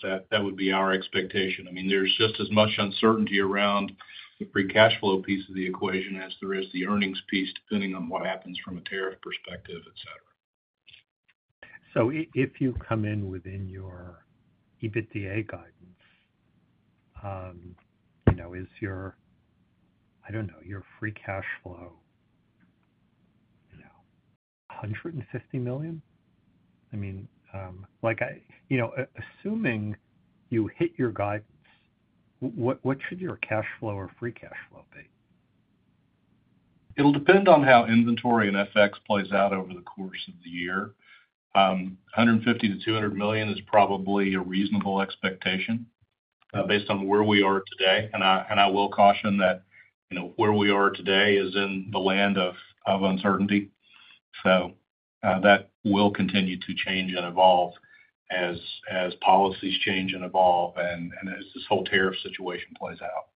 That would be our expectation. I mean, there is just as much uncertainty around the free cash flow piece of the equation as there is the earnings piece, depending on what happens from a tariff perspective, etc. If you come in within your EBITDA guidance, is your, I don't know, your free cash flow $150 million? I mean, assuming you hit your guidance, what should your cash flow or free cash flow be? It'll depend on how inventory and FX plays out over the course of the year. $150 million-$200 million is probably a reasonable expectation based on where we are today. I will caution that where we are today is in the land of uncertainty. That will continue to change and evolve as policies change and evolve and as this whole tariff situation plays out.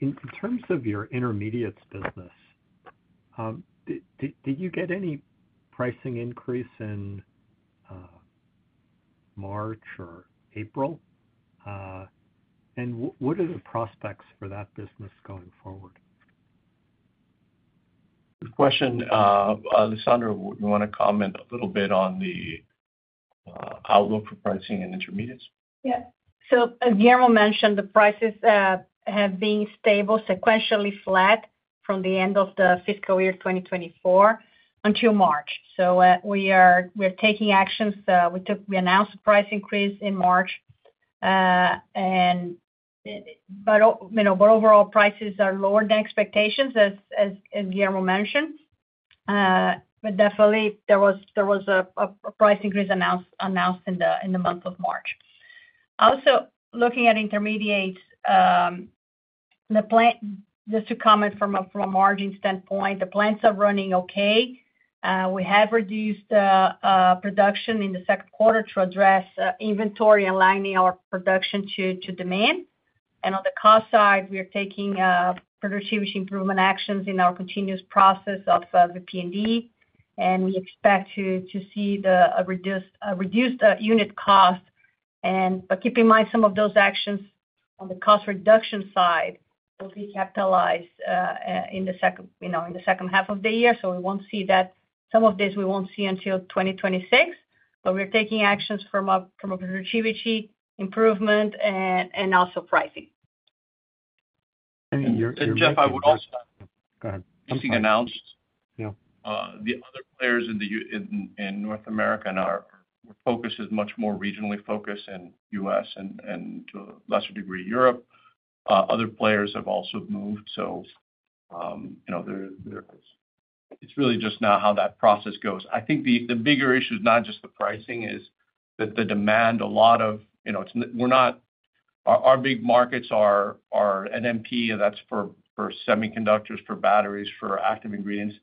In terms of your intermediates business, did you get any pricing increase in March or April? What are the prospects for that business going forward? Good question. Alessandra, would you want to comment a little bit on the outlook for pricing and intermediates? Yeah. As Guillermo mentioned, the prices have been stable, sequentially flat from the end of the fiscal year 2024 until March. We are taking actions. We announced a price increase in March, but overall, prices are lower than expectations, as Guillermo mentioned. There was a price increase announced in the month of March. Also, looking at intermediates, just to comment from a margin standpoint, the plants are running okay. We have reduced production in the second quarter to address inventory, aligning our production to demand. On the cost side, we are taking productivity improvement actions in our continuous process of BP&D, and we expect to see a reduced unit cost. Keep in mind, some of those actions on the cost reduction side will be capitalized in the second half of the year. We will not see that. Some of this, we won't see until 2026, but we're taking actions from a productivity improvement and also pricing. Jeff, I would also—go ahead. Something announced. The other players in North America and our focus is much more regionally focused in the U.S. and to a lesser degree, Europe. Other players have also moved. It is really just now how that process goes. I think the bigger issue, not just the pricing, is that the demand, a lot of—we're not—our big markets are NMP, and that's for semiconductors, for batteries, for active ingredients.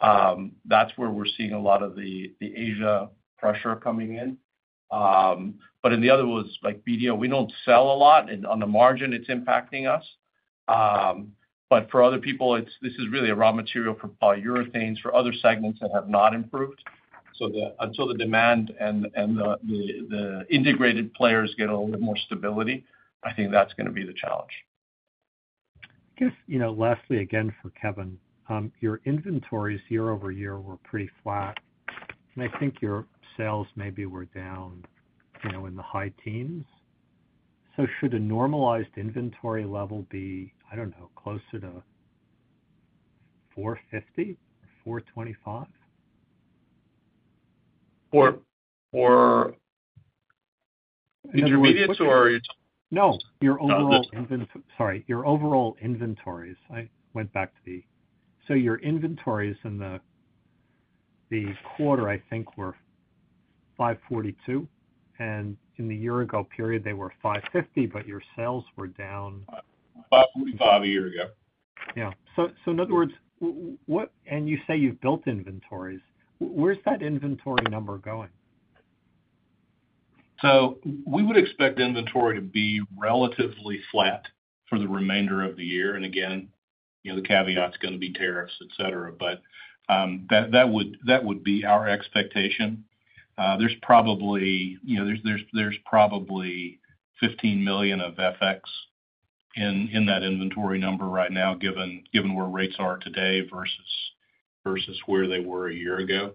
That is where we're seeing a lot of the Asia pressure coming in. In the other ones, like BDO, we don't sell a lot, and on the margin, it's impacting us. For other people, this is really a raw material for polyurethanes, for other segments that have not improved. Until the demand and the integrated players get a little bit more stability, I think that's going to be the challenge. Lastly, again, for Kevin, your inventories year-over-year were pretty flat, and I think your sales maybe were down in the high teens. Should a normalized inventory level be, I don't know, closer to 450, 425? No. Your overall inventory—sorry, your overall inventories. I went back to the—your inventories in the quarter, I think, were 542, and in the year-ago period, they were 550, but your sales were down 545 a year ago. Yeah. In other words, and you say you've built inventories, where's that inventory number going? We would expect inventory to be relatively flat for the remainder of the year. Again, the caveat's going to be tariffs, etc., but that would be our expectation. There's probably $15 million of FX in that inventory number right now, given where rates are today versus where they were a year ago,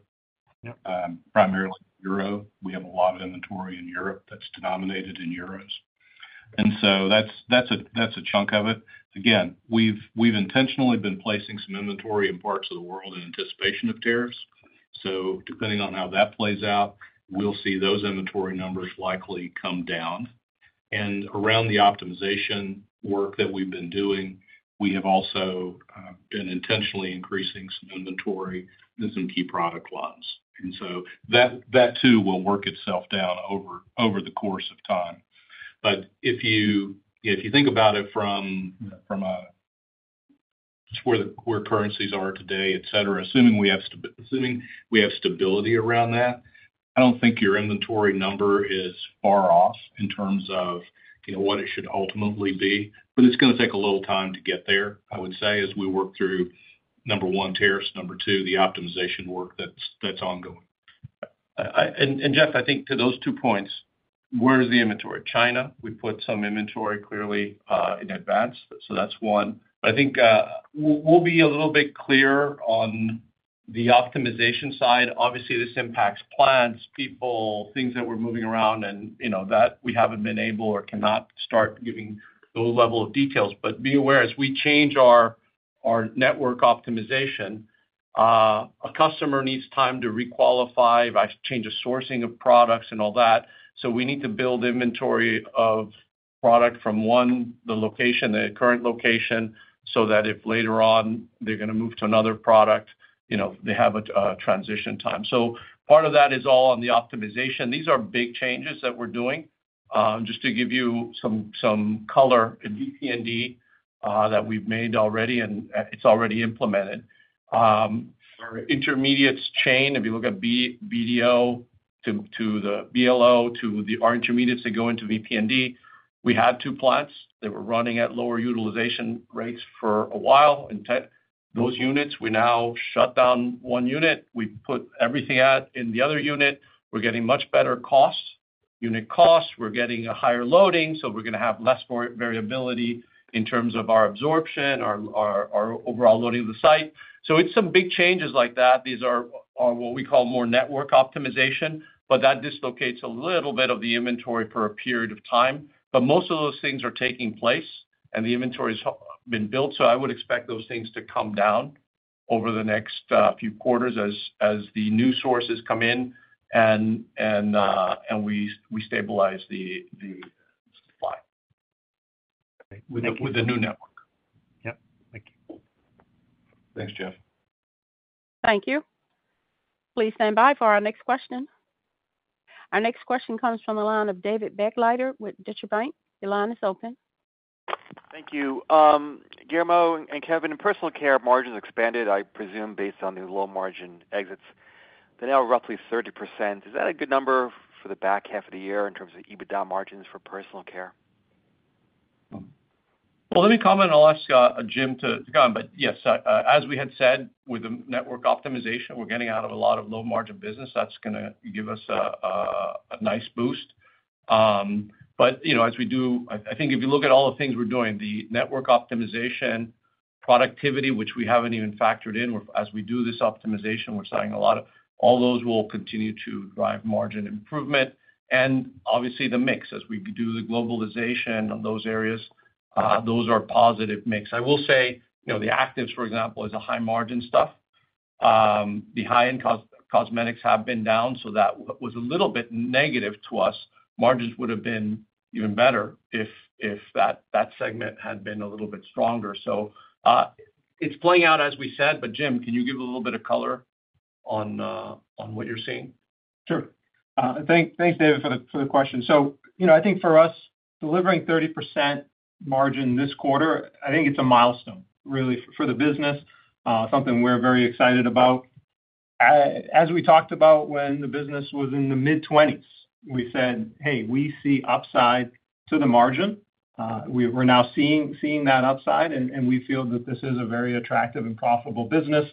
primarily in Europe. We have a lot of inventory in Europe that's denominated in euros. That is a chunk of it. Again, we've intentionally been placing some inventory in parts of the world in anticipation of tariffs. Depending on how that plays out, we'll see those inventory numbers likely come down. Around the optimization work that we've been doing, we have also been intentionally increasing some inventory in some key product lines. That too will work itself down over the course of time. If you think about it from just where currencies are today, etc., assuming we have stability around that, I don't think your inventory number is far off in terms of what it should ultimately be. It's going to take a little time to get there, I would say, as we work through, number one, tariffs; number two, the optimization work that's ongoing. Jeff, I think to those two points, where's the inventory? China, we put some inventory clearly in advance. That's one. I think we'll be a little bit clearer on the optimization side. Obviously, this impacts plants, people, things that we're moving around, and we haven't been able or cannot start giving the level of details. Be aware, as we change our network optimization, a customer needs time to requalify, change the sourcing of products and all that. We need to build inventory of product from, one, the current location so that if later on they're going to move to another product, they have a transition time. Part of that is all on the optimization. These are big changes that we're doing. Just to give you some color in BP&D that we've made already, and it's already implemented. Our intermediates chain, if you look at BDO to the BLO to our intermediates that go into BP&D, we had two plants. They were running at lower utilization rates for a while. Those units, we now shut down one unit. We put everything in the other unit. We're getting much better unit costs. We're getting a higher loading, so we're going to have less variability in terms of our absorption, our overall loading of the site. It is some big changes like that. These are what we call more network optimization, but that dislocates a little bit of the inventory for a period of time. Most of those things are taking place, and the inventory has been built. I would expect those things to come down over the next few quarters as the new sources come in and we stabilize the supply with the new network. Yep. Thank you. Thanks, Jeff. Thank you. Please stand by for our next question. Our next question comes from the line of David Begleiter with Deutsche Bank. Your line is open. Thank you. Guillermo and Kevin, in Personal Care, margins expanded, I presume, based on the low margin exits. They're now roughly 30%. Is that a good number for the back half of the year in terms of EBITDA margins for Personal Care? Let me comment. I'll ask Jim to comment. Yes, as we had said, with the network optimization, we're getting out of a lot of low margin business. That's going to give us a nice boost. As we do, I think if you look at all the things we're doing, the network optimization, productivity, which we haven't even factored in, as we do this optimization, we're selling a lot of all those will continue to drive margin improvement. Obviously, the mix, as we do the globalization on those areas, those are positive mix. I will say the actives, for example, is a high margin stuff. The high-end cosmetics have been down, so that was a little bit negative to us. Margins would have been even better if that segment had been a little bit stronger. It's playing out, as we said. Jim, can you give a little bit of color on what you're seeing? Sure. Thanks, David, for the question. I think for us, delivering 30% margin this quarter, I think it's a milestone, really, for the business, something we're very excited about. As we talked about when the business was in the mid-20s, we said, "Hey, we see upside to the margin." We're now seeing that upside, and we feel that this is a very attractive and profitable business.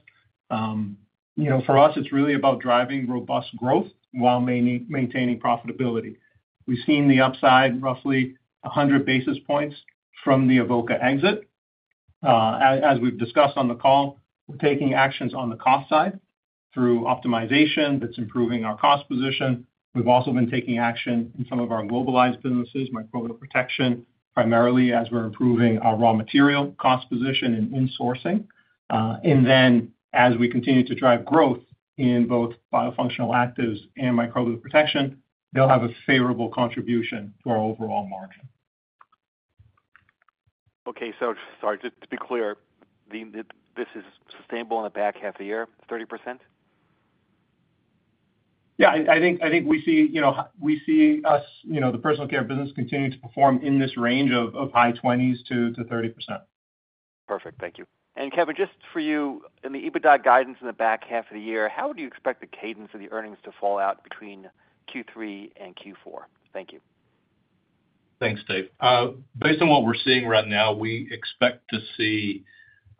For us, it's really about driving robust growth while maintaining profitability. We've seen the upside roughly 100 basis points from the Evoqua exit. As we've discussed on the call, we're taking actions on the cost side through optimization that's improving our cost position. We've also been taking action in some of our globalized businesses, microbial protection, primarily as we're improving our raw material cost position and in-sourcing. As we continue to drive growth in both biofunctional actives and microbial protection, they'll have a favorable contribution to our overall margin. Okay. Sorry, to be clear, this is sustainable in the back half of the year, 30%? Yeah. I think we see us, the Personal Care business, continue to perform in this range of high 20s to 30%. Perfect. Thank you. And Kevin, just for you, in the EBITDA guidance in the back half of the year, how would you expect the cadence of the earnings to fall out between Q3 and Q4? Thank you. Thanks, Dave. Based on what we're seeing right now, we expect to see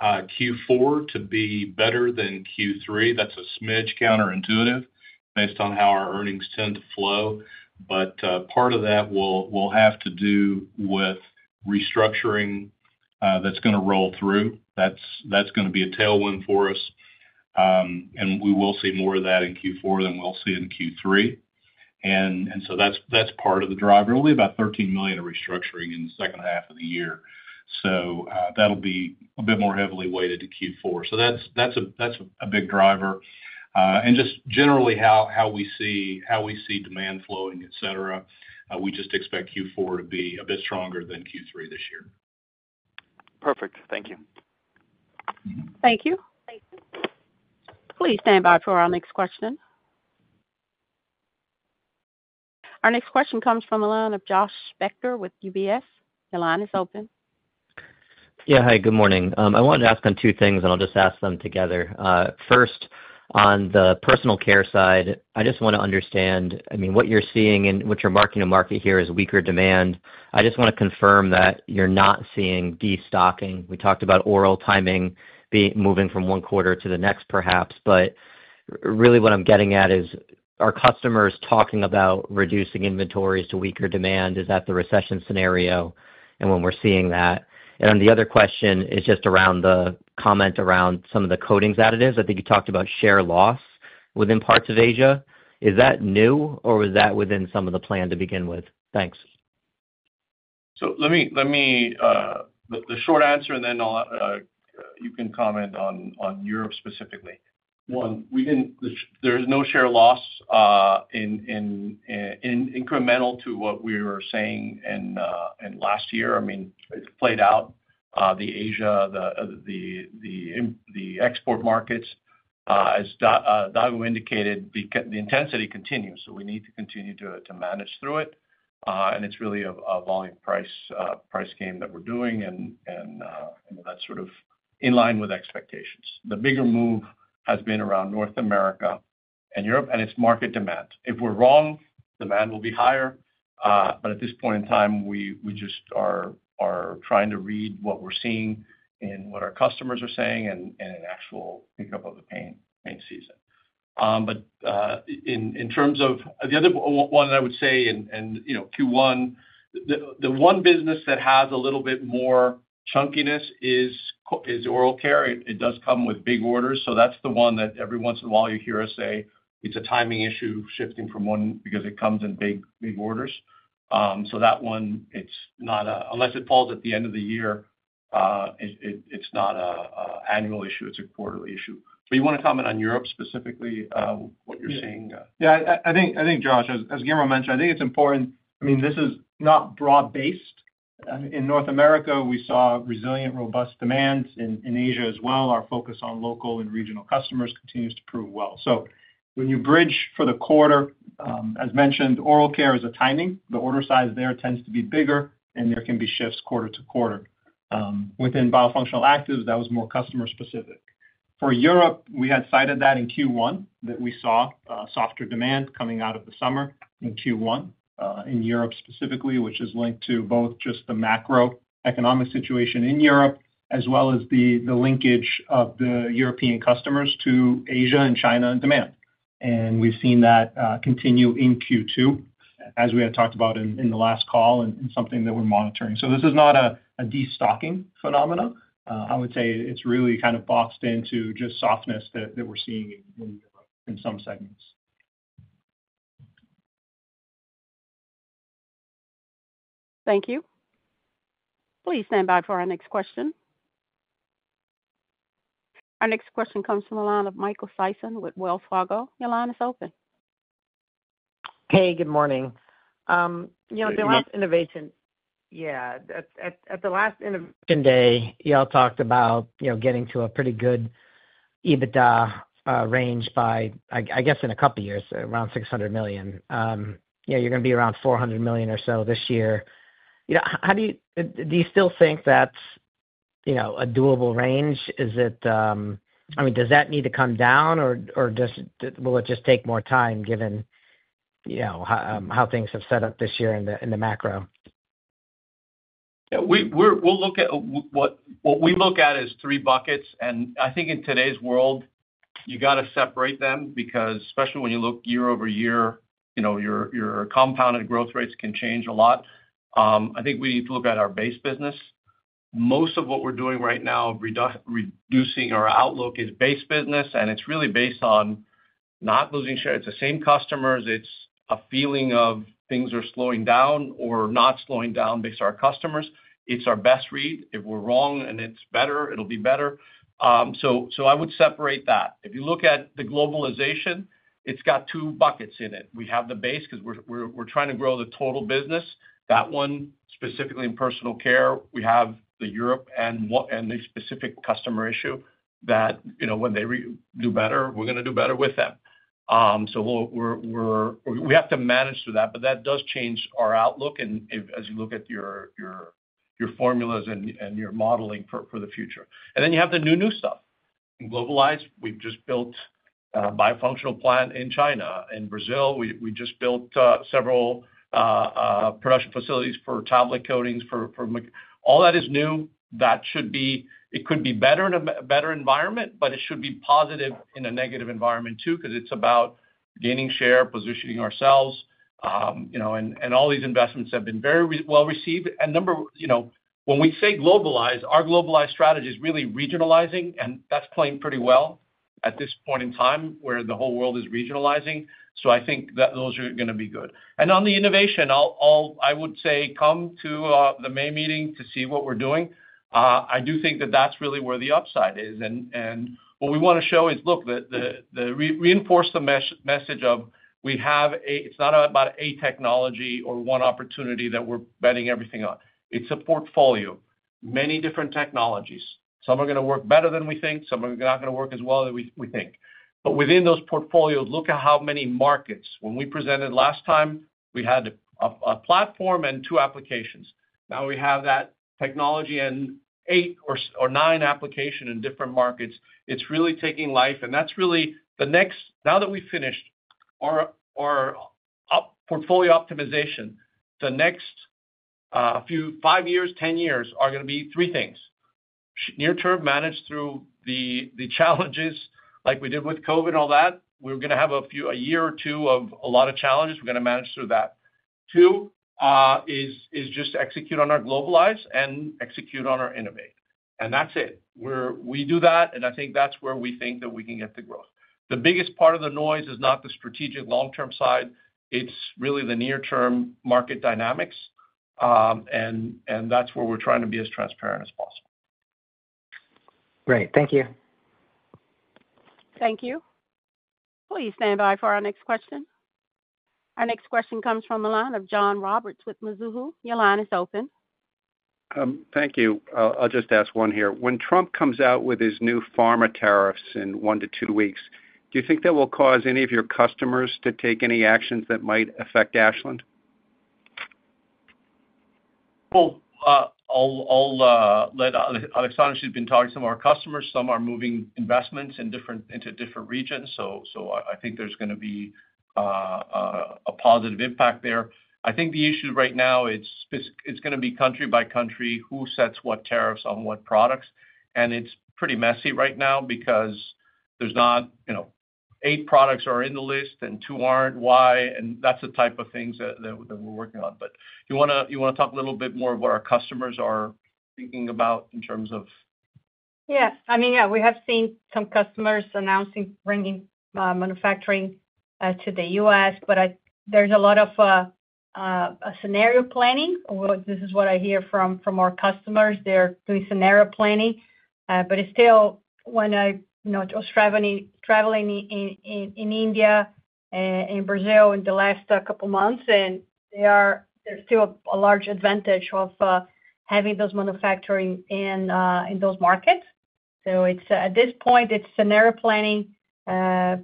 Q4 to be better than Q3. That is a smidge counterintuitive based on how our earnings tend to flow. Part of that will have to do with restructuring that's going to roll through. That's going to be a tailwind for us. We will see more of that in Q4 than we'll see in Q3. That's part of the driver. We'll be about $13 million of restructuring in the second half of the year. That'll be a bit more heavily weighted to Q4. That's a big driver. Just generally, how we see demand flowing, etc., we just expect Q4 to be a bit stronger than Q3 this year. Perfect. Thank you. Thank you. Please stand by for our next question. Our next question comes from the line of Josh Spector with UBS. Your line is open. Yeah. Hi. Good morning. I wanted to ask on two things, and I'll just ask them together. First, on the Personal Care side, I just want to understand, I mean, what you're seeing and what you're marking to market here is weaker demand. I just want to confirm that you're not seeing destocking. We talked about oral timing moving from one quarter to the next, perhaps. But really, what I'm getting at is are customers talking about reducing inventories to weaker demand. Is that the recession scenario? And when we're seeing that? The other question is just around the comment around some of the coatings additives. I think you talked about share loss within parts of Asia. Is that new, or was that within some of the plan to begin with? Thanks. Let me—the short answer, and then you can comment on Europe specifically. One, there is no share loss incremental to what we were saying last year. I mean, it's played out. The Asia, the export markets, as Dago indicated, the intensity continues. We need to continue to manage through it. It is really a volume price game that we are doing, and that is sort of in line with expectations. The bigger move has been around North America and Europe and its market demand. If we are wrong, demand will be higher. At this point in time, we just are trying to read what we are seeing and what our customers are saying and an actual pickup of the pain season. In terms of the other one that I would say, in Q1, the one business that has a little bit more chunkiness is oral care. It does come with big orders. That is the one that every once in a while you hear us say it is a timing issue shifting from one because it comes in big orders. That one, unless it falls at the end of the year, it's not an annual issue. It's a quarterly issue. You want to comment on Europe specifically, what you're seeing? Yeah. I think, Josh, as Guillermo mentioned, I think it's important. I mean, this is not broad-based. In North America, we saw resilient, robust demand. In Asia as well, our focus on local and regional customers continues to prove well. When you bridge for the quarter, as mentioned, oral care is a timing. The order size there tends to be bigger, and there can be shifts quarter to quarter. Within biofunctional actives, that was more customer-specific. For Europe, we had cited that in Q1 that we saw softer demand coming out of the summer in Q1 in Europe specifically, which is linked to both just the macroeconomic situation in Europe as well as the linkage of the European customers to Asia and China and demand. We have seen that continue in Q2, as we had talked about in the last call and something that we are monitoring. This is not a destocking phenomenon. I would say it is really kind of boxed into just softness that we are seeing in some segments. Thank you. Please stand by for our next question. Our next question comes from the line of Michael Sison with Wells Fargo. Your line is open. Hey, good morning. The last innovation—yeah. At the last innovation day, y'all talked about getting to a pretty good EBITDA range by, I guess, in a couple of years, around $600 million. You're going to be around $400 million or so this year. Do you still think that's a doable range? I mean, does that need to come down, or will it just take more time given how things have set up this year in the macro? We'll look at what we look at as three buckets. I think in today's world, you got to separate them because especially when you look year-over-year, your compounded growth rates can change a lot. I think we need to look at our base business. Most of what we're doing right now, reducing our outlook, is base business. It's really based on not losing share. It's the same customers. It's a feeling of things are slowing down or not slowing down based on our customers. It's our best read. If we're wrong and it's better, it'll be better. I would separate that. If you look at the globalization, it's got two buckets in it. We have the base because we're trying to grow the total business. That one, specifically in Personal Care, we have the Europe and the specific customer issue that when they do better, we're going to do better with them. We have to manage through that. That does change our outlook as you look at your formulas and your modeling for the future. You have the new, new stuff. Globalized, we've just built a biofunctional plant in China. In Brazil, we just built several production facilities for tablet coatings. All that is new. It could be better in a better environment, but it should be positive in a negative environment too because it's about gaining share, positioning ourselves. All these investments have been very well received. When we say globalize, our globalize strategy is really regionalizing, and that's playing pretty well at this point in time where the whole world is regionalizing. I think that those are going to be good. On the innovation, I would say come to the May meeting to see what we're doing. I do think that that's really where the upside is. What we want to show is, look, reinforce the message of it's not about a technology or one opportunity that we're betting everything on. It's a portfolio, many different technologies. Some are going to work better than we think. Some are not going to work as well as we think. Within those portfolios, look at how many markets. When we presented last time, we had a platform and two applications. Now we have that technology and eight or nine applications in different markets. It's really taking life. That's really the next—now that we've finished our portfolio optimization, the next five years, ten years are going to be three things: near-term managed through the challenges like we did with COVID and all that. We're going to have a year or two of a lot of challenges. We're going to manage through that. Two is just execute on our globalize and execute on our innovate. That's it. We do that. I think that's where we think that we can get the growth. The biggest part of the noise is not the strategic long-term side. It's really the near-term market dynamics. That's where we're trying to be as transparent as possible. Great. Thank you. Thank you. Please stand by for our next question. Our next question comes from the line of John Roberts with Mizuho. Your line is open. Thank you. I'll just ask one here. When Trump comes out with his new pharma tariffs in one to two weeks, do you think that will cause any of your customers to take any actions that might affect Ashland? Alessandra, she's been talking to some of our customers. Some are moving investments into different regions. I think there's going to be a positive impact there. I think the issue right now, it's going to be country by country who sets what tariffs on what products. It's pretty messy right now because there's not eight products that are in the list and two aren't. Why? That's the type of things that we're working on. You want to talk a little bit more of what our customers are thinking about in terms of— Yeah. I mean, yeah, we have seen some customers announcing bringing manufacturing to the U.S. There is a lot of scenario planning. This is what I hear from our customers. They're doing scenario planning. Still, when I was traveling in India and Brazil in the last couple of months, there is still a large advantage of having those manufacturing in those markets. At this point, it's scenario planning. There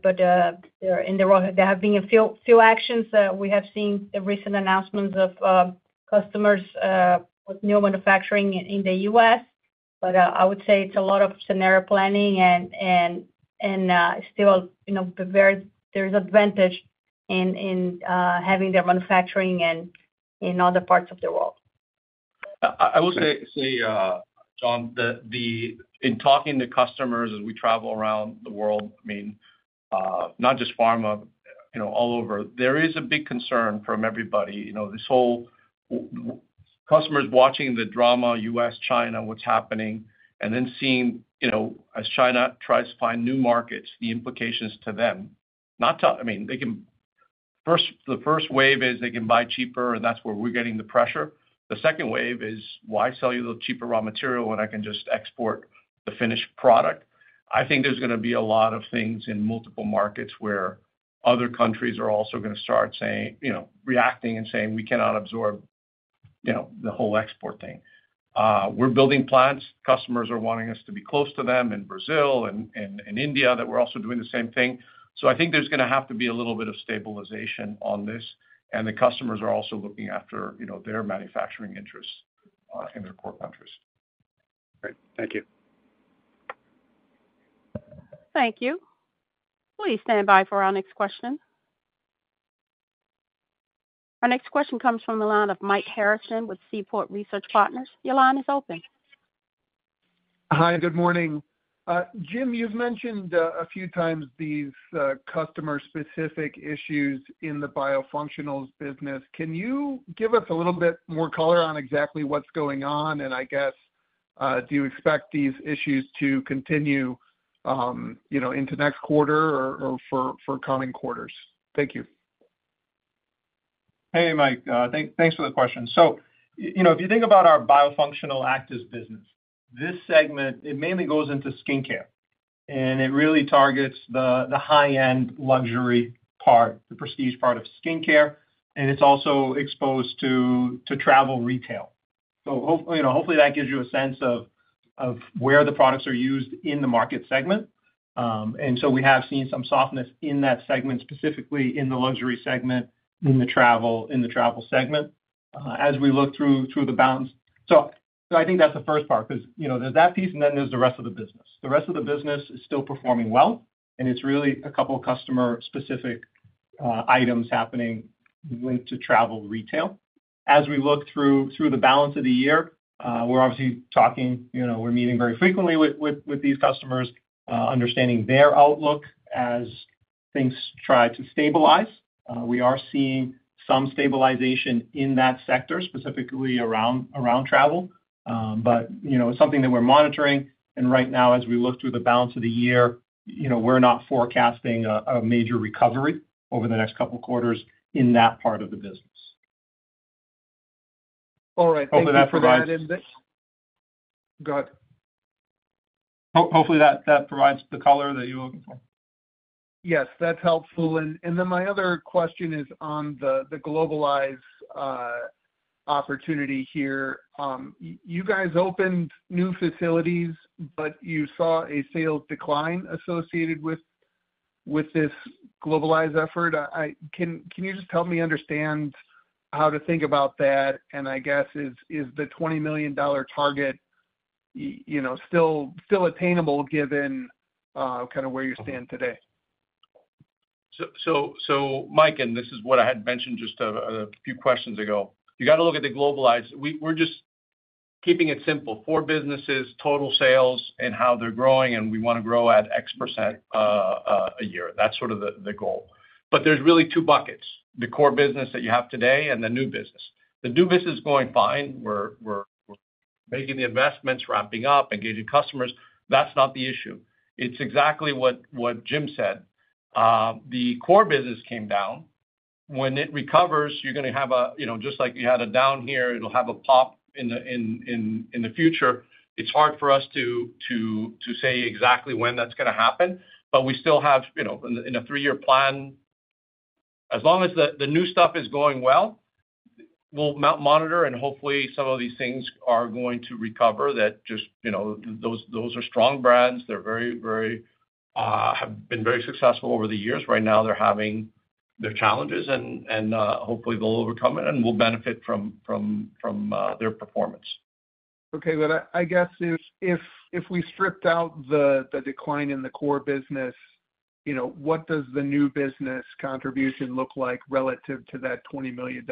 have been a few actions. We have seen recent announcements of customers with new manufacturing in the U.S. I would say it's a lot of scenario planning and still there's advantage in having their manufacturing in other parts of the world. I will say, John, in talking to customers as we travel around the world, I mean, not just pharma, all over, there is a big concern from everybody. This whole customers watching the drama, U.S., China, what's happening, and then seeing as China tries to find new markets, the implications to them. I mean, the first wave is they can buy cheaper, and that's where we're getting the pressure. The second wave is, why sell you the cheaper raw material when I can just export the finished product? I think there's going to be a lot of things in multiple markets where other countries are also going to start reacting and saying, "We cannot absorb the whole export thing." We're building plants. Customers are wanting us to be close to them in Brazil and in India that we're also doing the same thing. I think there's going to have to be a little bit of stabilization on this. The customers are also looking after their manufacturing interests in their core countries. Great. Thank you. Thank you. Please stand by for our next question. Our next question comes from the line of Mike Harrison with Seaport Research Partners. Your line is open. Hi. Good morning. Jim, you've mentioned a few times these customer-specific issues in the biofunctionals business. Can you give us a little bit more color on exactly what's going on? I guess, do you expect these issues to continue into next quarter or for coming quarters? Thank you. Hey, Mike. Thanks for the question. If you think about our biofunctional actives business, this segment mainly goes into skincare. It really targets the high-end luxury part, the prestige part of skincare. It is also exposed to travel retail. Hopefully, that gives you a sense of where the products are used in the market segment. We have seen some softness in that segment, specifically in the luxury segment, in the travel segment, as we look through the balance. I think that is the first part because there is that piece, and then there is the rest of the business. The rest of the business is still performing well. It is really a couple of customer-specific items happening linked to travel retail. As we look through the balance of the year, we are obviously talking, we are meeting very frequently with these customers, understanding their outlook as things try to stabilize. We are seeing some stabilization in that sector, specifically around travel. It is something that we are monitoring. Right now, as we look through the balance of the year, we're not forecasting a major recovery over the next couple of quarters in that part of the business. All right. Thank you for that. Hopefully, that provides the color that you're looking for. Yes. That's helpful. My other question is on the globalized opportunity here. You guys opened new facilities, but you saw a sales decline associated with this globalized effort. Can you just help me understand how to think about that? I guess, is the $20 million target still attainable given kind of where you stand today? Mike, this is what I had mentioned just a few questions ago. You got to look at the globalized. We're just keeping it simple: four businesses, total sales, and how they're growing, and we want to grow at X% a year. That's sort of the goal. There are really two buckets: the core business that you have today and the new business. The new business is going fine. We're making the investments, ramping up, and getting customers. That's not the issue. It's exactly what Jim said. The core business came down. When it recovers, you're going to have a—just like you had a down here, it'll have a pop in the future. It's hard for us to say exactly when that's going to happen. We still have, in a three-year plan, as long as the new stuff is going well, we'll monitor, and hopefully, some of these things are going to recover. Just those are strong brands. They have been very successful over the years. Right now, they're having their challenges, and hopefully, they'll overcome it and we will benefit from their performance. Okay. I guess if we stripped out the decline in the core business, what does the new business contribution look like relative to that $20 million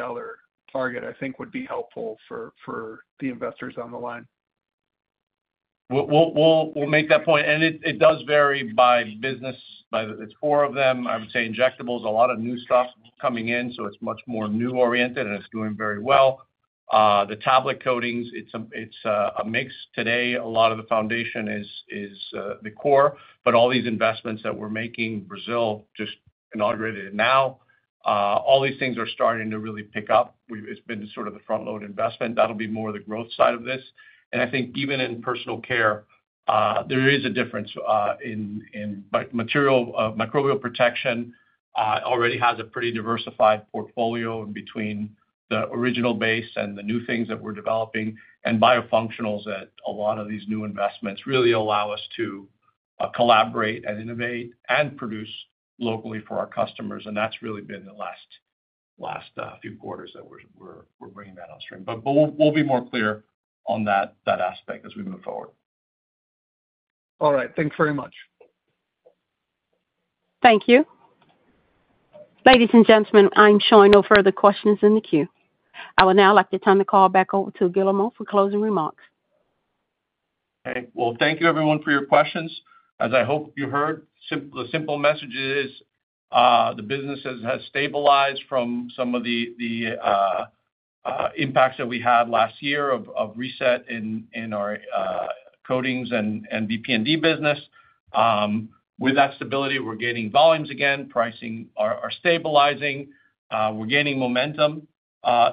target, I think, would be helpful for the investors on the line? We'll make that point. It does vary by business. It's four of them. I would say injectables, a lot of new stuff coming in. So it's much more new-oriented, and it's doing very well. The tablet coatings, it's a mix. Today, a lot of the foundation is the core. All these investments that we're making—Brazil just inaugurated it now—all these things are starting to really pick up. It's been sort of the front-load investment. That'll be more the growth side of this. I think even in Personal Care, there is a difference in material microbial protection. It already has a pretty diversified portfolio between the original base and the new things that we're developing and biofunctionals that a lot of these new investments really allow us to collaborate and innovate and produce locally for our customers. That has really been the last few quarters that we're bringing that upstream. We will be more clear on that aspect as we move forward. All right. Thanks very much. Thank you. Ladies and gentlemen, I'm showing no further questions in the queue. I would now like to turn the call back over to Guillermo for closing remarks. Thank you, everyone, for your questions. As I hope you heard, the simple message is the business has stabilized from some of the impacts that we had last year of reset in our coatings and BP&D business. With that stability, we're gaining volumes again. Pricing is stabilizing. We're gaining momentum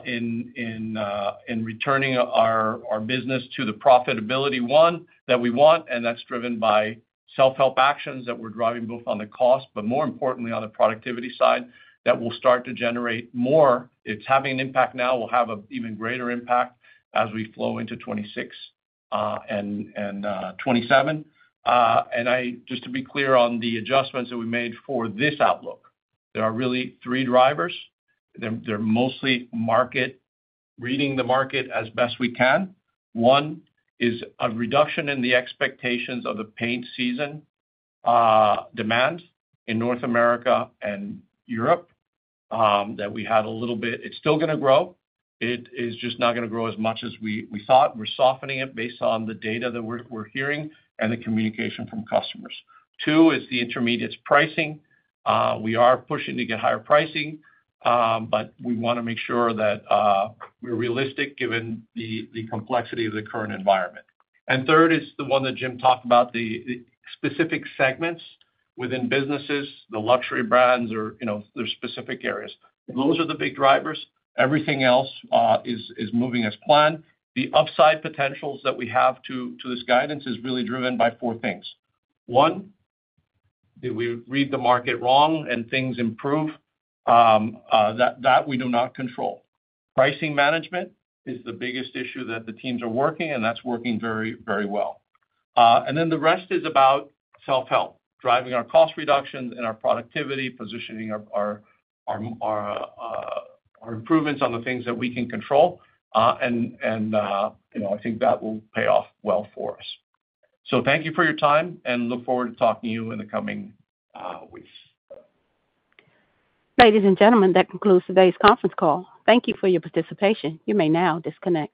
in returning our business to the profitability one that we want. That's driven by self-help actions that we're driving both on the cost, but more importantly, on the productivity side that will start to generate more. It's having an impact now. It will have an even greater impact as we flow into 2026 and 2027. Just to be clear on the adjustments that we made for this outlook, there are really three drivers. They're mostly market, reading the market as best we can. One is a reduction in the expectations of the paint season demand in North America and Europe that we had a little bit. It's still going to grow. It is just not going to grow as much as we thought. We're softening it based on the data that we're hearing and the communication from customers. Two is the intermediates pricing. We are pushing to get higher pricing, but we want to make sure that we're realistic given the complexity of the current environment. Third is the one that Jim talked about, the specific segments within businesses, the luxury brands or their specific areas. Those are the big drivers. Everything else is moving as planned. The upside potentials that we have to this guidance is really driven by four things. One, did we read the market wrong and things improve? That we do not control. Pricing management is the biggest issue that the teams are working, and that's working very, very well. The rest is about self-help, driving our cost reductions and our productivity, positioning our improvements on the things that we can control. I think that will pay off well for us. Thank you for your time, and look forward to talking to you in the coming weeks. Ladies and gentlemen, that concludes today's conference call. Thank you for your participation. You may now disconnect.